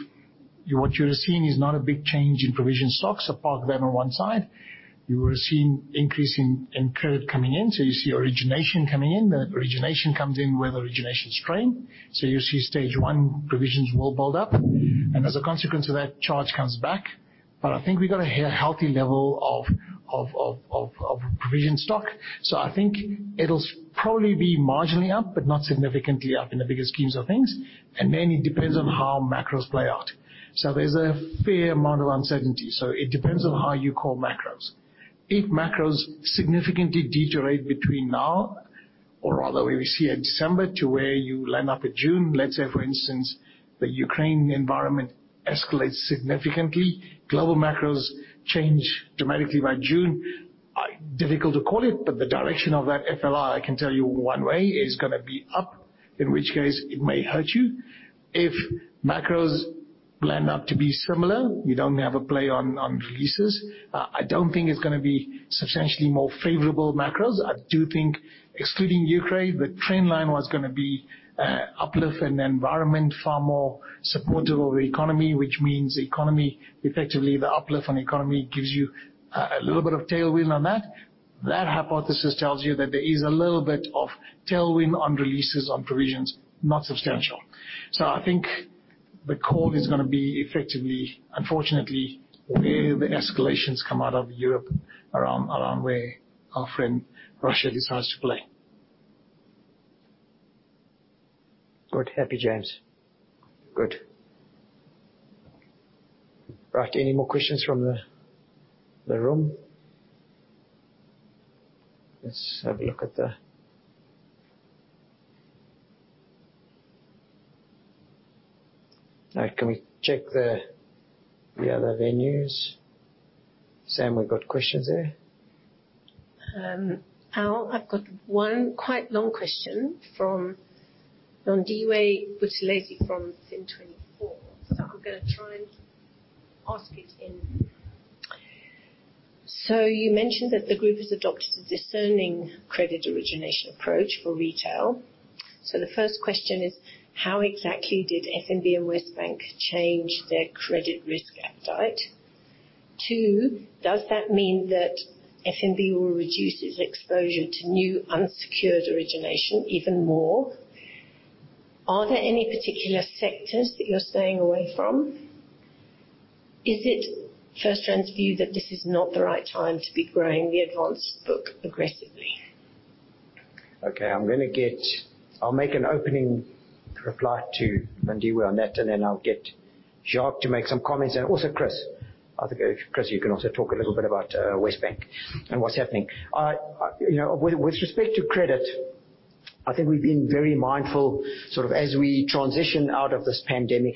what you're seeing is not a big change in provision stocks. Park them on one side. You are seeing increase in credit coming in. You see origination coming in. The origination comes in with origination strain. You see Stage one provisions will build up and as a consequence of that, charge comes back. I think we got a healthy level of provision stock. I think it'll probably be marginally up, but not significantly up in the bigger schemes of things. Then it depends on how macros play out. There's a fair amount of uncertainty. It depends on how you call macros. If macros significantly deteriorate between now or rather where we see at December to where you land up at June, let's say for instance, the Ukraine environment escalates significantly, global macros change dramatically by June. Difficult to call it, but the direction of that FLI, I can tell you one way, is gonna be up, in which case it may hurt you. If macros land up to be similar, we don't have a play on releases. I don't think it's gonna be substantially more favorable macros. I do think excluding Ukraine, the trend line was gonna be, uplift an environment far more supportive of the economy, which means the economy, effectively, the uplift on the economy gives you a little bit of tailwind on that. That hypothesis tells you that there is a little bit of tailwind on releases on provisions, not substantial. I think the call is gonna be effectively, unfortunately, where the escalations come out of Europe around where our friend Russia decides to play. Good. Happy, James? Good. Right. Any more questions from the room? Let's have a look at the. Right. Can we check the other venues? Sam, we've got questions there? Al, I've got one quite long question from Ndumiso Buthelezi from Fin24. I'm gonna try and ask it. You mentioned that the group has adopted a discerning credit origination approach for retail. The first question is, how exactly did FNB and WesBank change their credit risk appetite? Two, does that mean that FNB will reduce its exposure to new unsecured origination even more? Are there any particular sectors that you're staying away from? Is it FirstRand's view that this is not the right time to be growing the advance book aggressively? I'll make an opening reply to Ndumiso Buthelezi on that, and then I'll get Jacques to make some comments. Also Chris. I think, Chris, you can also talk a little bit about WesBank and what's happening. You know, with respect to credit, I think we've been very mindful, sort of as we transition out of this pandemic,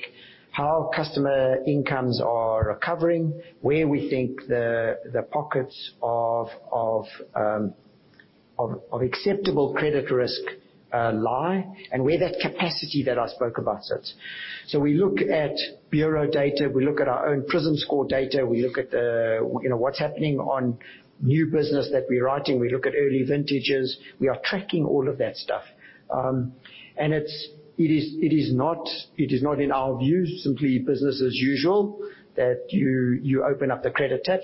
how customer incomes are recovering, where we think the pockets of acceptable credit risk lie, and where that capacity that I spoke about sits. We look at bureau data. We look at our own prism score data. We look at, you know, what's happening on new business that we're writing. We look at early vintages. We are tracking all of that stuff. It's not, in our view, simply business as usual that you open up the credit tab.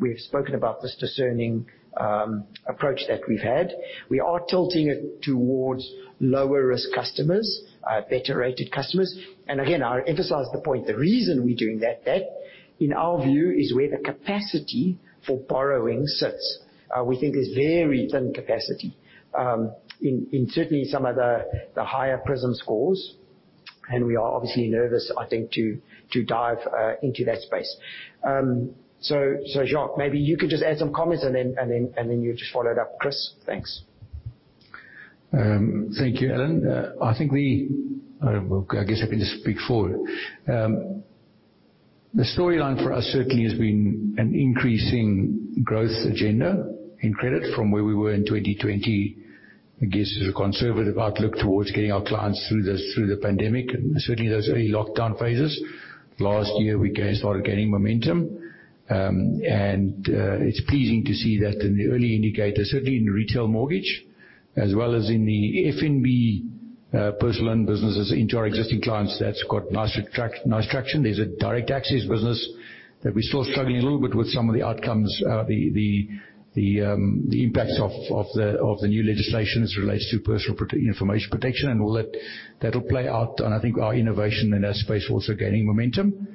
We've spoken about this discerning approach that we've had. We are tilting it towards lower-risk customers, better-rated customers. Again, I emphasize the point, the reason we're doing that in our view is where the capacity for borrowing sits. We think there's very thin capacity in certainly some of the higher Prism scores. We are obviously nervous, I think, to dive into that space. Jacques, maybe you could just add some comments, and then you just follow it up. Chris. Thanks. Thank you, Alan. I think, well, I guess I can just speak for it. The storyline for us certainly has been an increasing growth agenda in credit from where we were in 2020. I guess, as a conservative outlook towards getting our clients through this, through the pandemic, and certainly those early lockdown phases. Last year, we started gaining momentum. It's pleasing to see that in the early indicators, certainly in retail mortgage, as well as in the FNB personal loan businesses into our existing clients. That's got nice traction. There's a direct access business that we're still struggling a little bit with some of the outcomes. The impacts of the new legislation as it relates to personal information protection and all that. That'll play out on, I think, our innovation in that space, also gaining momentum.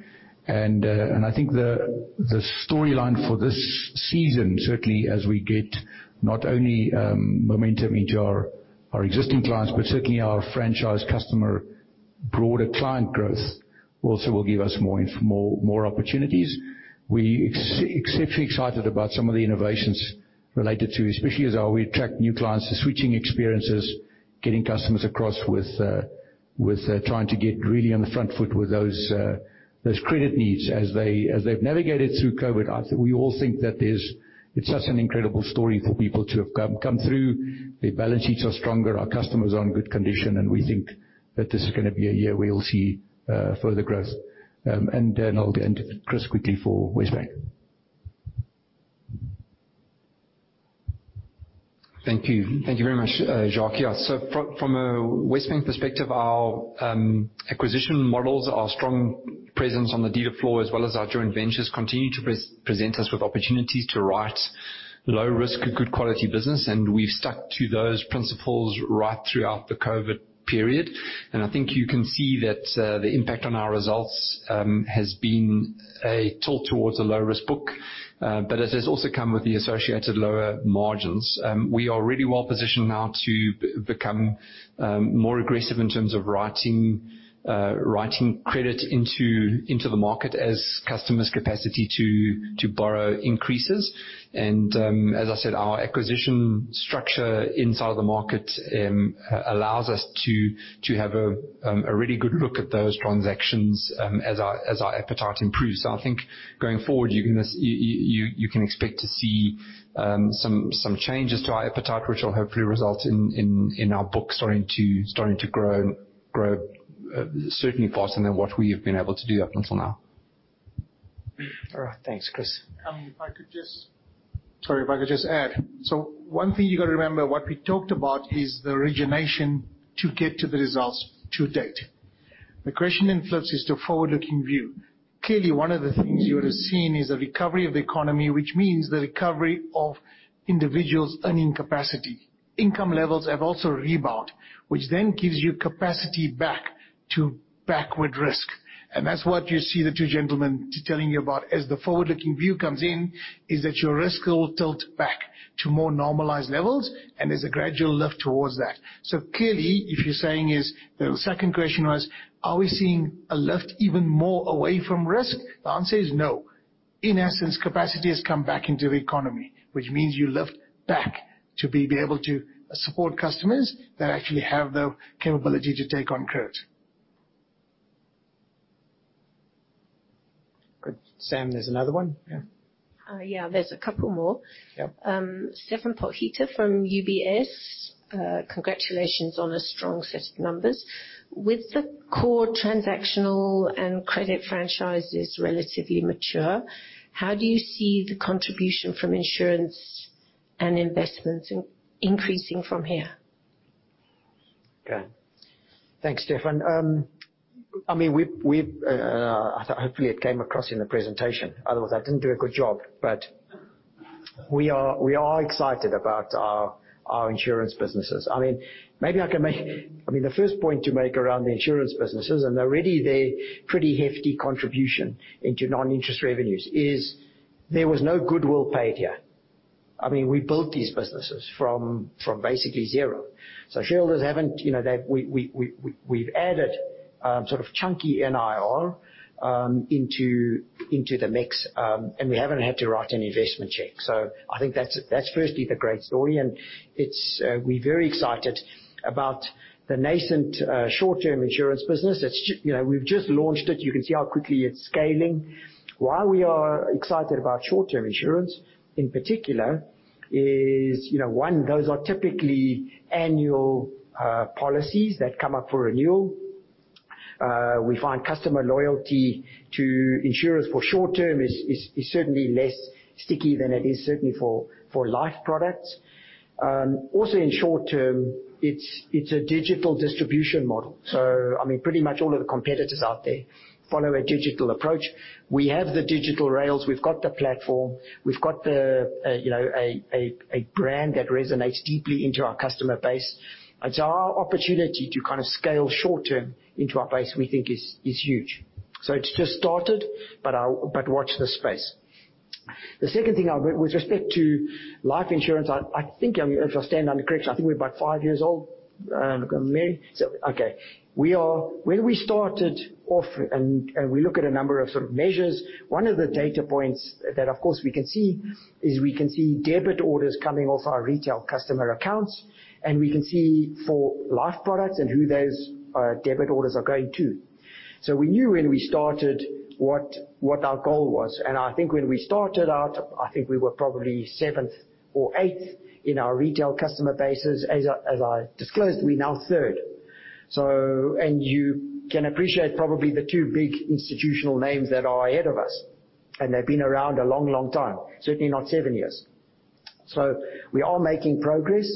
I think the storyline for this season, certainly as we get not only momentum into our existing clients, but certainly our franchise customer broader client growth also will give us more opportunities. We exceedingly excited about some of the innovations related to, especially as how we attract new clients to switching experiences, getting customers across with trying to get really on the front foot with those credit needs as they've navigated through COVID. I think we all think that there's. It's such an incredible story for people to have come through. Their balance sheets are stronger, our customers are in good condition, and we think that this is gonna be a year where we'll see further growth. I'll go into Chris quickly for WesBank. Thank you. Thank you very much, Jacques. Yeah, from a WesBank perspective, our acquisition models, our strong presence on the dealer floor as well as our joint ventures continue to present us with opportunities to write low risk, good quality business. We've stuck to those principles right throughout the COVID period. I think you can see that, the impact on our results has been a tilt towards a low-risk book. It has also come with the associated lower margins. We are really well positioned now to become more aggressive in terms of writing credit into the market as customers' capacity to borrow increases. As I said, our acquisition structure inside the market allows us to have a really good look at those transactions as our appetite improves. I think going forward, you can expect to see some changes to our appetite, which will hopefully result in our books starting to grow certainly faster than what we have been able to do up until now. All right. Thanks, Chris. If I could just add. One thing you gotta remember, what we talked about is the origination to get to the results to date. The question then flips is the forward-looking view. Clearly, one of the things you would have seen is the recovery of the economy, which means the recovery of individuals' earning capacity. Income levels have also rebound, which then gives you capacity back to backward risk. That's what you see the two gentlemen telling you about. As the forward-looking view comes in, is that your risk will tilt back to more normalized levels, and there's a gradual lift towards that. Clearly, if you're saying is, the second question was, are we seeing a lift even more away from risk? The answer is no. In essence, capacity has come back into the economy, which means you lift back to be able to support customers that actually have the capability to take on credit. Good. Sam, there's another one. Yeah. Yeah. There's a couple more. Yeah. Stefan Potgieter from UBS. Congratulations on a strong set of numbers. With the core transactional and credit franchises relatively mature, how do you see the contribution from insurance and investments increasing from here? Okay. Thanks, Stefan. I mean, hopefully it came across in the presentation. Otherwise, I didn't do a good job. We are excited about our insurance businesses. I mean, the first point to make around the insurance businesses, and already they're pretty hefty contribution into non-interest revenues, is there was no goodwill paid here. I mean, we built these businesses from basically zero. Shareholders haven't, you know, we've added sort of chunky NIR into the mix. We haven't had to write an investment check. I think that's firstly the great story. We're very excited about the nascent short-term insurance business. That's, you know, we've just launched it. You can see how quickly it's scaling. Why we are excited about short-term insurance, in particular, is, you know, one, those are typically annual policies that come up for renewal. We find customer loyalty to insurance for short term is certainly less sticky than it is certainly for life products. Also in short term, it's a digital distribution model. I mean, pretty much all of the competitors out there follow a digital approach. We have the digital rails. We've got the platform. We've got the you know, a brand that resonates deeply into our customer base. It's our opportunity to kind of scale short term into our base, we think is huge. It's just started, but watch this space. The second thing I would with respect to life insurance, I think, I mean, if I stand under correction, I think we're about five years old, maybe. Okay. When we started off, and we look at a number of sort of measures, one of the data points that, of course, we can see is debit orders coming off our retail customer accounts, and we can see for life products and who those debit orders are going to. We knew when we started what our goal was. I think when we started out, I think we were probably seventh or eighth in our retail customer bases. As I disclosed, we're now third. You can appreciate probably the two big institutional names that are ahead of us, and they've been around a long, long time, certainly not seven years. We are making progress.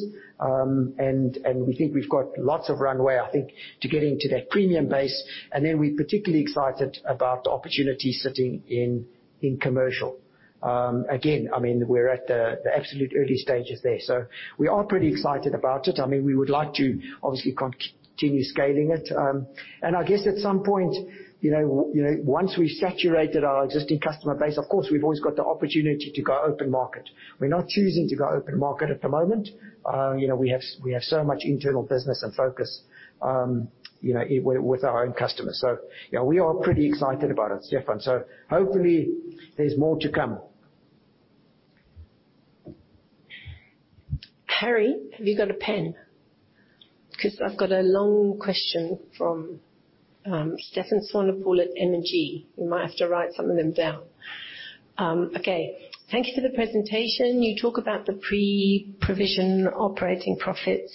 We think we've got lots of runway, I think, to get into that premium base. We're particularly excited about the opportunity sitting in commercial. Again, I mean, we're at the absolute early stages there. We are pretty excited about it. I mean, we would like to obviously continue scaling it. I guess at some point, you know, once we saturated our existing customer base, of course, we've always got the opportunity to go open market. We're not choosing to go open market at the moment. You know, we have so much internal business and focus, you know, with our own customers. You know, we are pretty excited about it, Stefan. Hopefully there's more to come. Harry, have you got a pen? 'Cause I've got a long question from Stefan Swanepoel at M&G. You might have to write some of them down. Okay. Thank you for the presentation. You talk about the pre-provision operating profits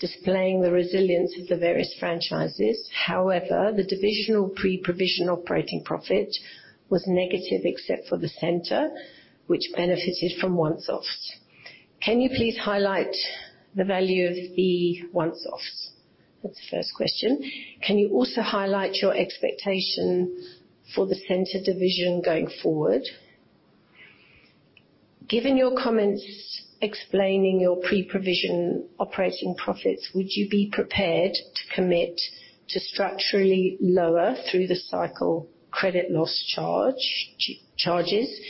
displaying the resilience of the various franchises. However, the divisional pre-provision operating profit was negative except for the center, which benefited from once-offs. Can you please highlight the value of the once-offs? That's the first question. Can you also highlight your expectation for the center division going forward? Given your comments explaining your pre-provision operating profits, would you be prepared to commit to structurally lower through the cycle credit loss charges,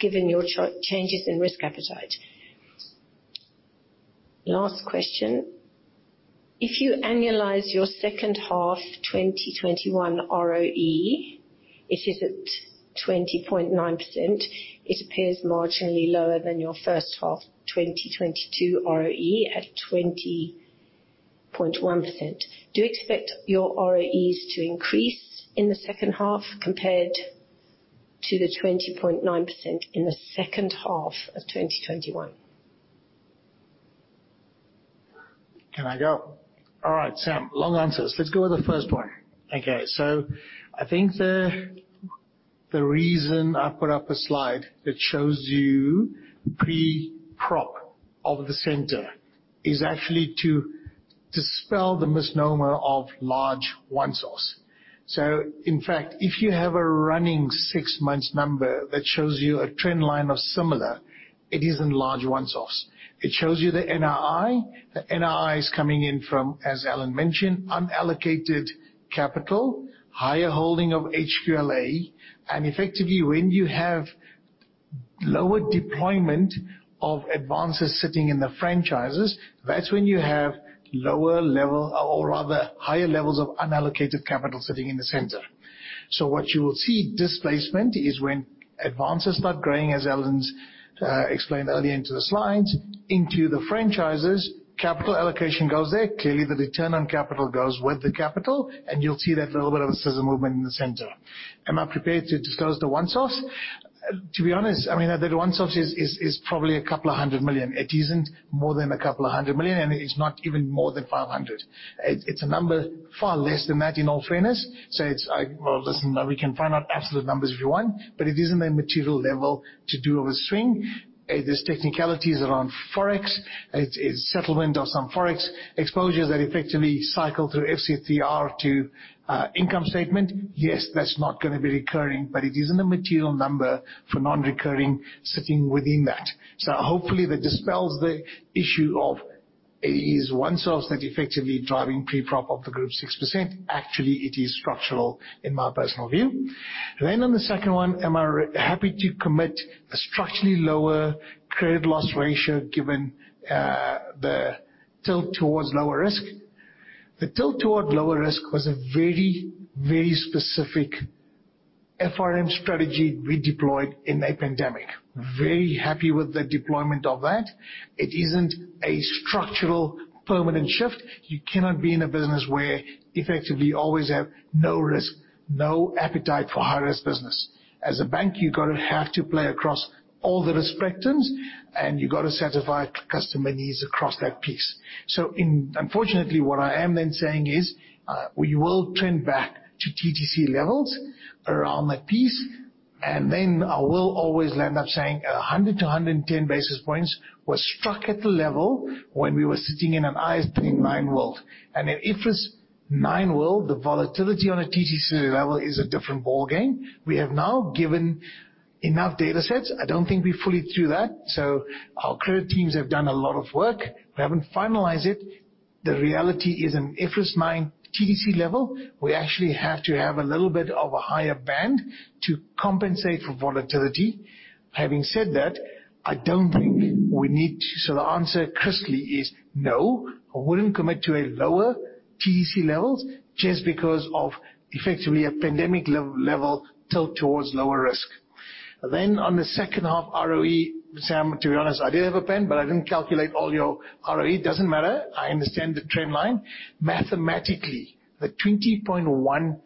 given your changes in risk appetite? Last question. If you annualize your second half 2021 ROE, it is at 20.9%, it appears marginally lower than your first half 2022 ROE at 20.1%. Do you expect your ROEs to increase in the second half compared to the 20.9% in the second half of 2021? Can I go? All right. Sam, long answers. Let's go with the first one. Okay. I think the reason I put up a slide that shows you pre-prop of the center is actually to dispel the misnomer of large once-offs. In fact, if you have a running six months number that shows you a trend line of similar, it isn't large once-offs. It shows you the NII. The NII is coming in from, as Alan mentioned, unallocated capital, higher holding of HQLA. Effectively, when you have lower deployment of advances sitting in the franchises, that's when you have lower level or rather higher levels of unallocated capital sitting in the center. What you will see displacement is when advances start growing, as Alan's explained earlier into the slides, into the franchises. Capital allocation goes there. Clearly, the return on capital goes with the capital, and you'll see that little bit of a scissor movement in the center. Am I prepared to disclose the once-offs? To be honest, I mean, the OneSource is probably 200 million. It isn't more than 200 million, and it's not even more than 500 million. It's a number far less than that, in all fairness. Well, listen, we can find out absolute numbers if you want, but it isn't a material level to do of a swing. There's technicalities around Forex. It's settlement of some Forex exposures that effectively cycle through FCTR to income statement. Yes, that's not gonna be recurring, but it isn't a material number for non-recurring sitting within that. Hopefully that dispels the issue of it is OneSource that effectively driving pre-provision of the group 6%. Actually, it is structural in my personal view. On the second one, happy to commit a structurally lower credit loss ratio given the tilt toward lower risk? The tilt toward lower risk was a very, very specific FRM strategy we deployed in the pandemic. Very happy with the deployment of that. It isn't a structural permanent shift. You cannot be in a business where effectively you always have no risk, no appetite for high-risk business. As a bank, you gotta have to play across all the risk spectrums, and you gotta satisfy customer needs across that piece. Unfortunately, what I am then saying is, we will trend back to TTC levels around that piece, and then I will always land up saying 100-110 basis points was struck at the level when we were sitting in an IFRS 9 world. In IFRS 9 world, the volatility on a TTC level is a different ballgame. We have now given enough datasets. I don't think we're fully through that, so our credit teams have done a lot of work. We haven't finalized it. The reality is, in IFRS 9 TTC level, we actually have to have a little bit of a higher band to compensate for volatility. Having said that, I don't think we need to. The answer, Chris, is no. I wouldn't commit to a lower TTC levels just because of effectively a pandemic level tilt towards lower risk. On the second half ROE, Sam, to be honest, I did have a pen, but I didn't calculate all your ROE. Doesn't matter. I understand the trend line. Mathematically, the 20.1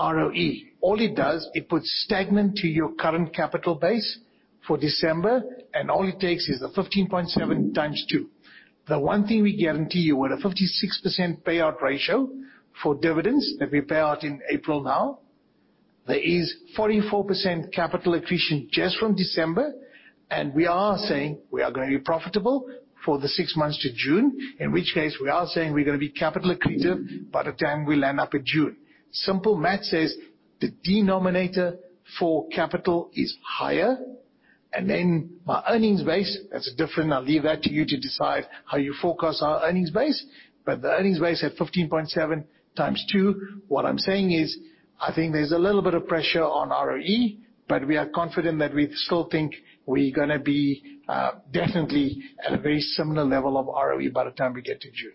ROE, all it does, it accretes to your current capital base for December, and all it takes is a 15.7 × 2. The one thing we guarantee you with a 56% payout ratio for dividends that we payout in April. No, there is 44% capital accretion just from December, and we are saying we are gonna be profitable for the six months to June. In which case, we are saying we're gonna be capital accretive by the time we land up in June. Simple math says the denominator for capital is higher, and then my earnings base, that's different. I'll leave that to you to decide how you forecast our earnings base. The earnings base at 15.7 times two, what I'm saying is, I think there's a little bit of pressure on ROE, but we are confident that we still think we're gonna be definitely at a very similar level of ROE by the time we get to June.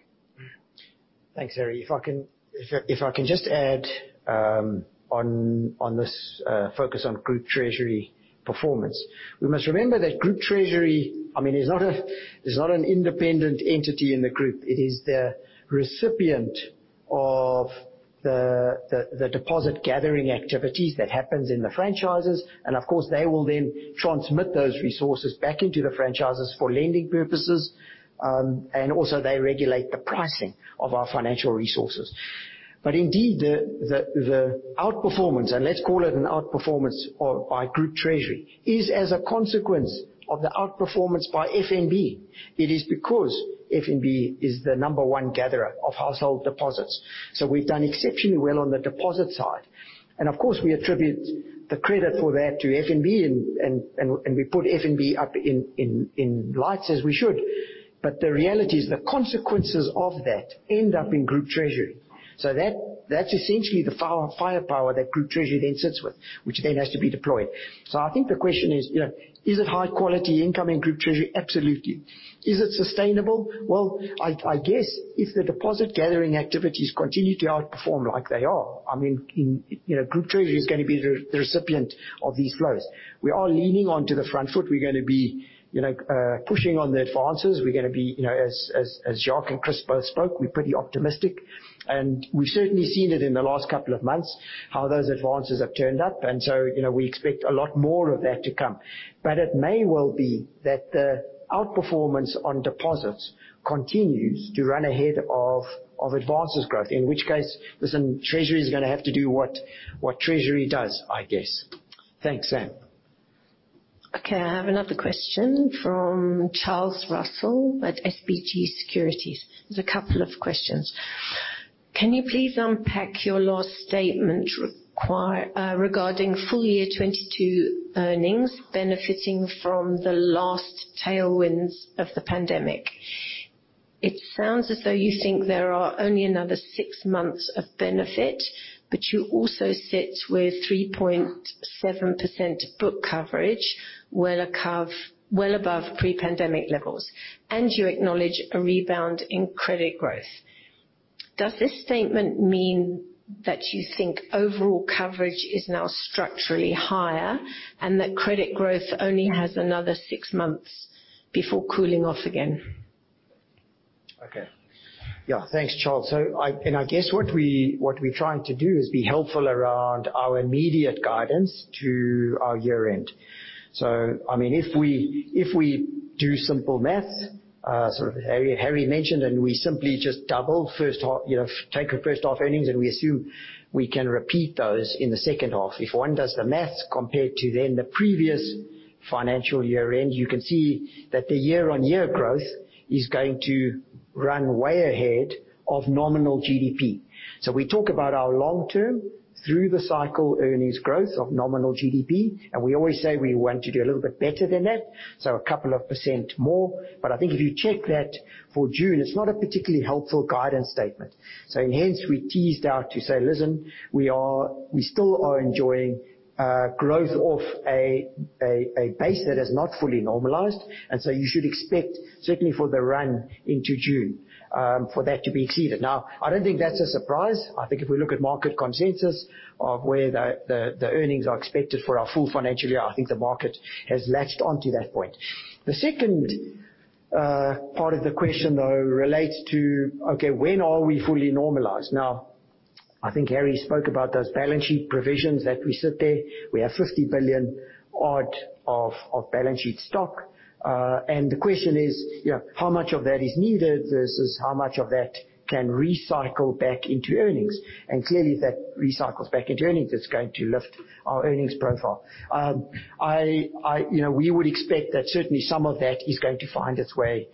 Thanks, Harry. If I can just add on this focus on Group Treasury performance. We must remember that Group Treasury, I mean, is not an independent entity in the group. It is the recipient of the deposit gathering activities that happens in the franchises. Of course, they will then transmit those resources back into the franchises for lending purposes. Also they regulate the pricing of our financial resources. Indeed, the outperformance, and let's call it an outperformance or by Group Treasury, is as a consequence of the outperformance by FNB. It is because FNB is the number one gatherer of household deposits. We've done exceptionally well on the deposit side. Of course, we attribute the credit for that to FNB and we put FNB up in lights as we should. The reality is the consequences of that end up in Group Treasury. That's essentially the firepower that Group Treasury then sits with, which then has to be deployed. I think the question is, you know, is it high quality incoming Group Treasury? Absolutely. Is it sustainable? Well, I guess if the deposit gathering activities continue to outperform like they are, I mean, you know, Group Treasury is gonna be the recipient of these flows. We are leaning onto the front foot. We're gonna be, you know, pushing on the advances. We're gonna be, you know, as Jacques and Chris both spoke, we're pretty optimistic. We've certainly seen it in the last couple of months, how those advances have turned up. You know, we expect a lot more of that to come. It may well be that the outperformance on deposits continues to run ahead of advances growth, in which case, listen, Treasury is gonna have to do what Treasury does, I guess. Thanks, Sam. Okay. I have another question from Charles Russell at SBG Securities. There's a couple of questions. Can you please unpack your last statement regarding full year 2022 earnings benefiting from the last tailwinds of the pandemic? It sounds as though you think there are only another six months of benefit, but you also sit with 3.7% book coverage well above pre-pandemic levels, and you acknowledge a rebound in credit growth. Does this statement mean that you think overall coverage is now structurally higher and that credit growth only has another six months before cooling off again? Okay. Yeah. Thanks, Charles. I guess what we're trying to do is be helpful around our immediate guidance to our year-end. I mean, if we do simple math, sort of Harry mentioned, and we simply just double first half, you know, take our first half earnings and we assume we can repeat those in the second half. If one does the math compared to then the previous financial year-end, you can see that the year-on-year growth is going to run way ahead of nominal GDP. We talk about our long-term through the cycle earnings growth of nominal GDP, and we always say we want to do a little bit better than that, a couple of % more. I think if you check that for June, it's not a particularly helpful guidance statement. Hence we teased out to say, "Listen, we are, we still are enjoying growth of a base that is not fully normalized. And so you should expect certainly for the run into June for that to be exceeded." Now, I don't think that's a surprise. I think if we look at market consensus of where the earnings are expected for our full financial year, I think the market has latched on to that point. The second part of the question though relates to, okay, when are we fully normalized? Now, I think Harry spoke about those balance sheet provisions that we sit there. We have 50 billion odd of balance sheet stock. And the question is, you know, how much of that is needed versus how much of that can recycle back into earnings? Clearly, if that recycles back into earnings, it's going to lift our earnings profile. You know, we would expect that certainly some of that is going to find its way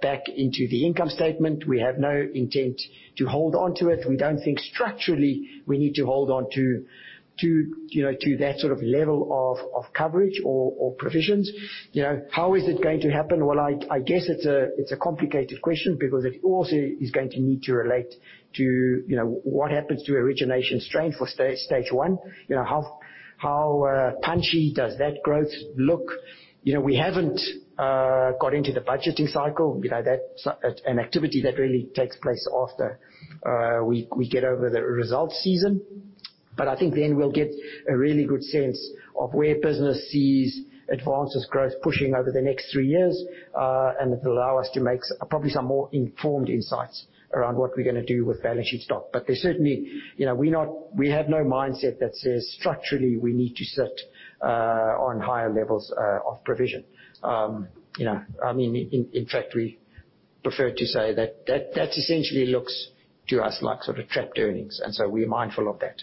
back into the income statement. We have no intent to hold onto it. We don't think structurally we need to hold on to, you know, to that sort of level of coverage or provisions. You know, how is it going to happen? Well, I guess it's a complicated question because it also is going to need to relate to, you know, what happens to origination strength for Stage one. You know, how punchy does that growth look? You know, we haven't got into the budgeting cycle. You know, that's an activity that really takes place after we get over the results season. I think then we'll get a really good sense of where business sees advances growth pushing over the next three years. It'll allow us to make probably some more informed insights around what we're gonna do with balance sheet stock. We have no mindset that says structurally we need to sit on higher levels of provision. You know, I mean, in fact, we prefer to say that essentially looks to us like sorta trapped earnings, and so we are mindful of that.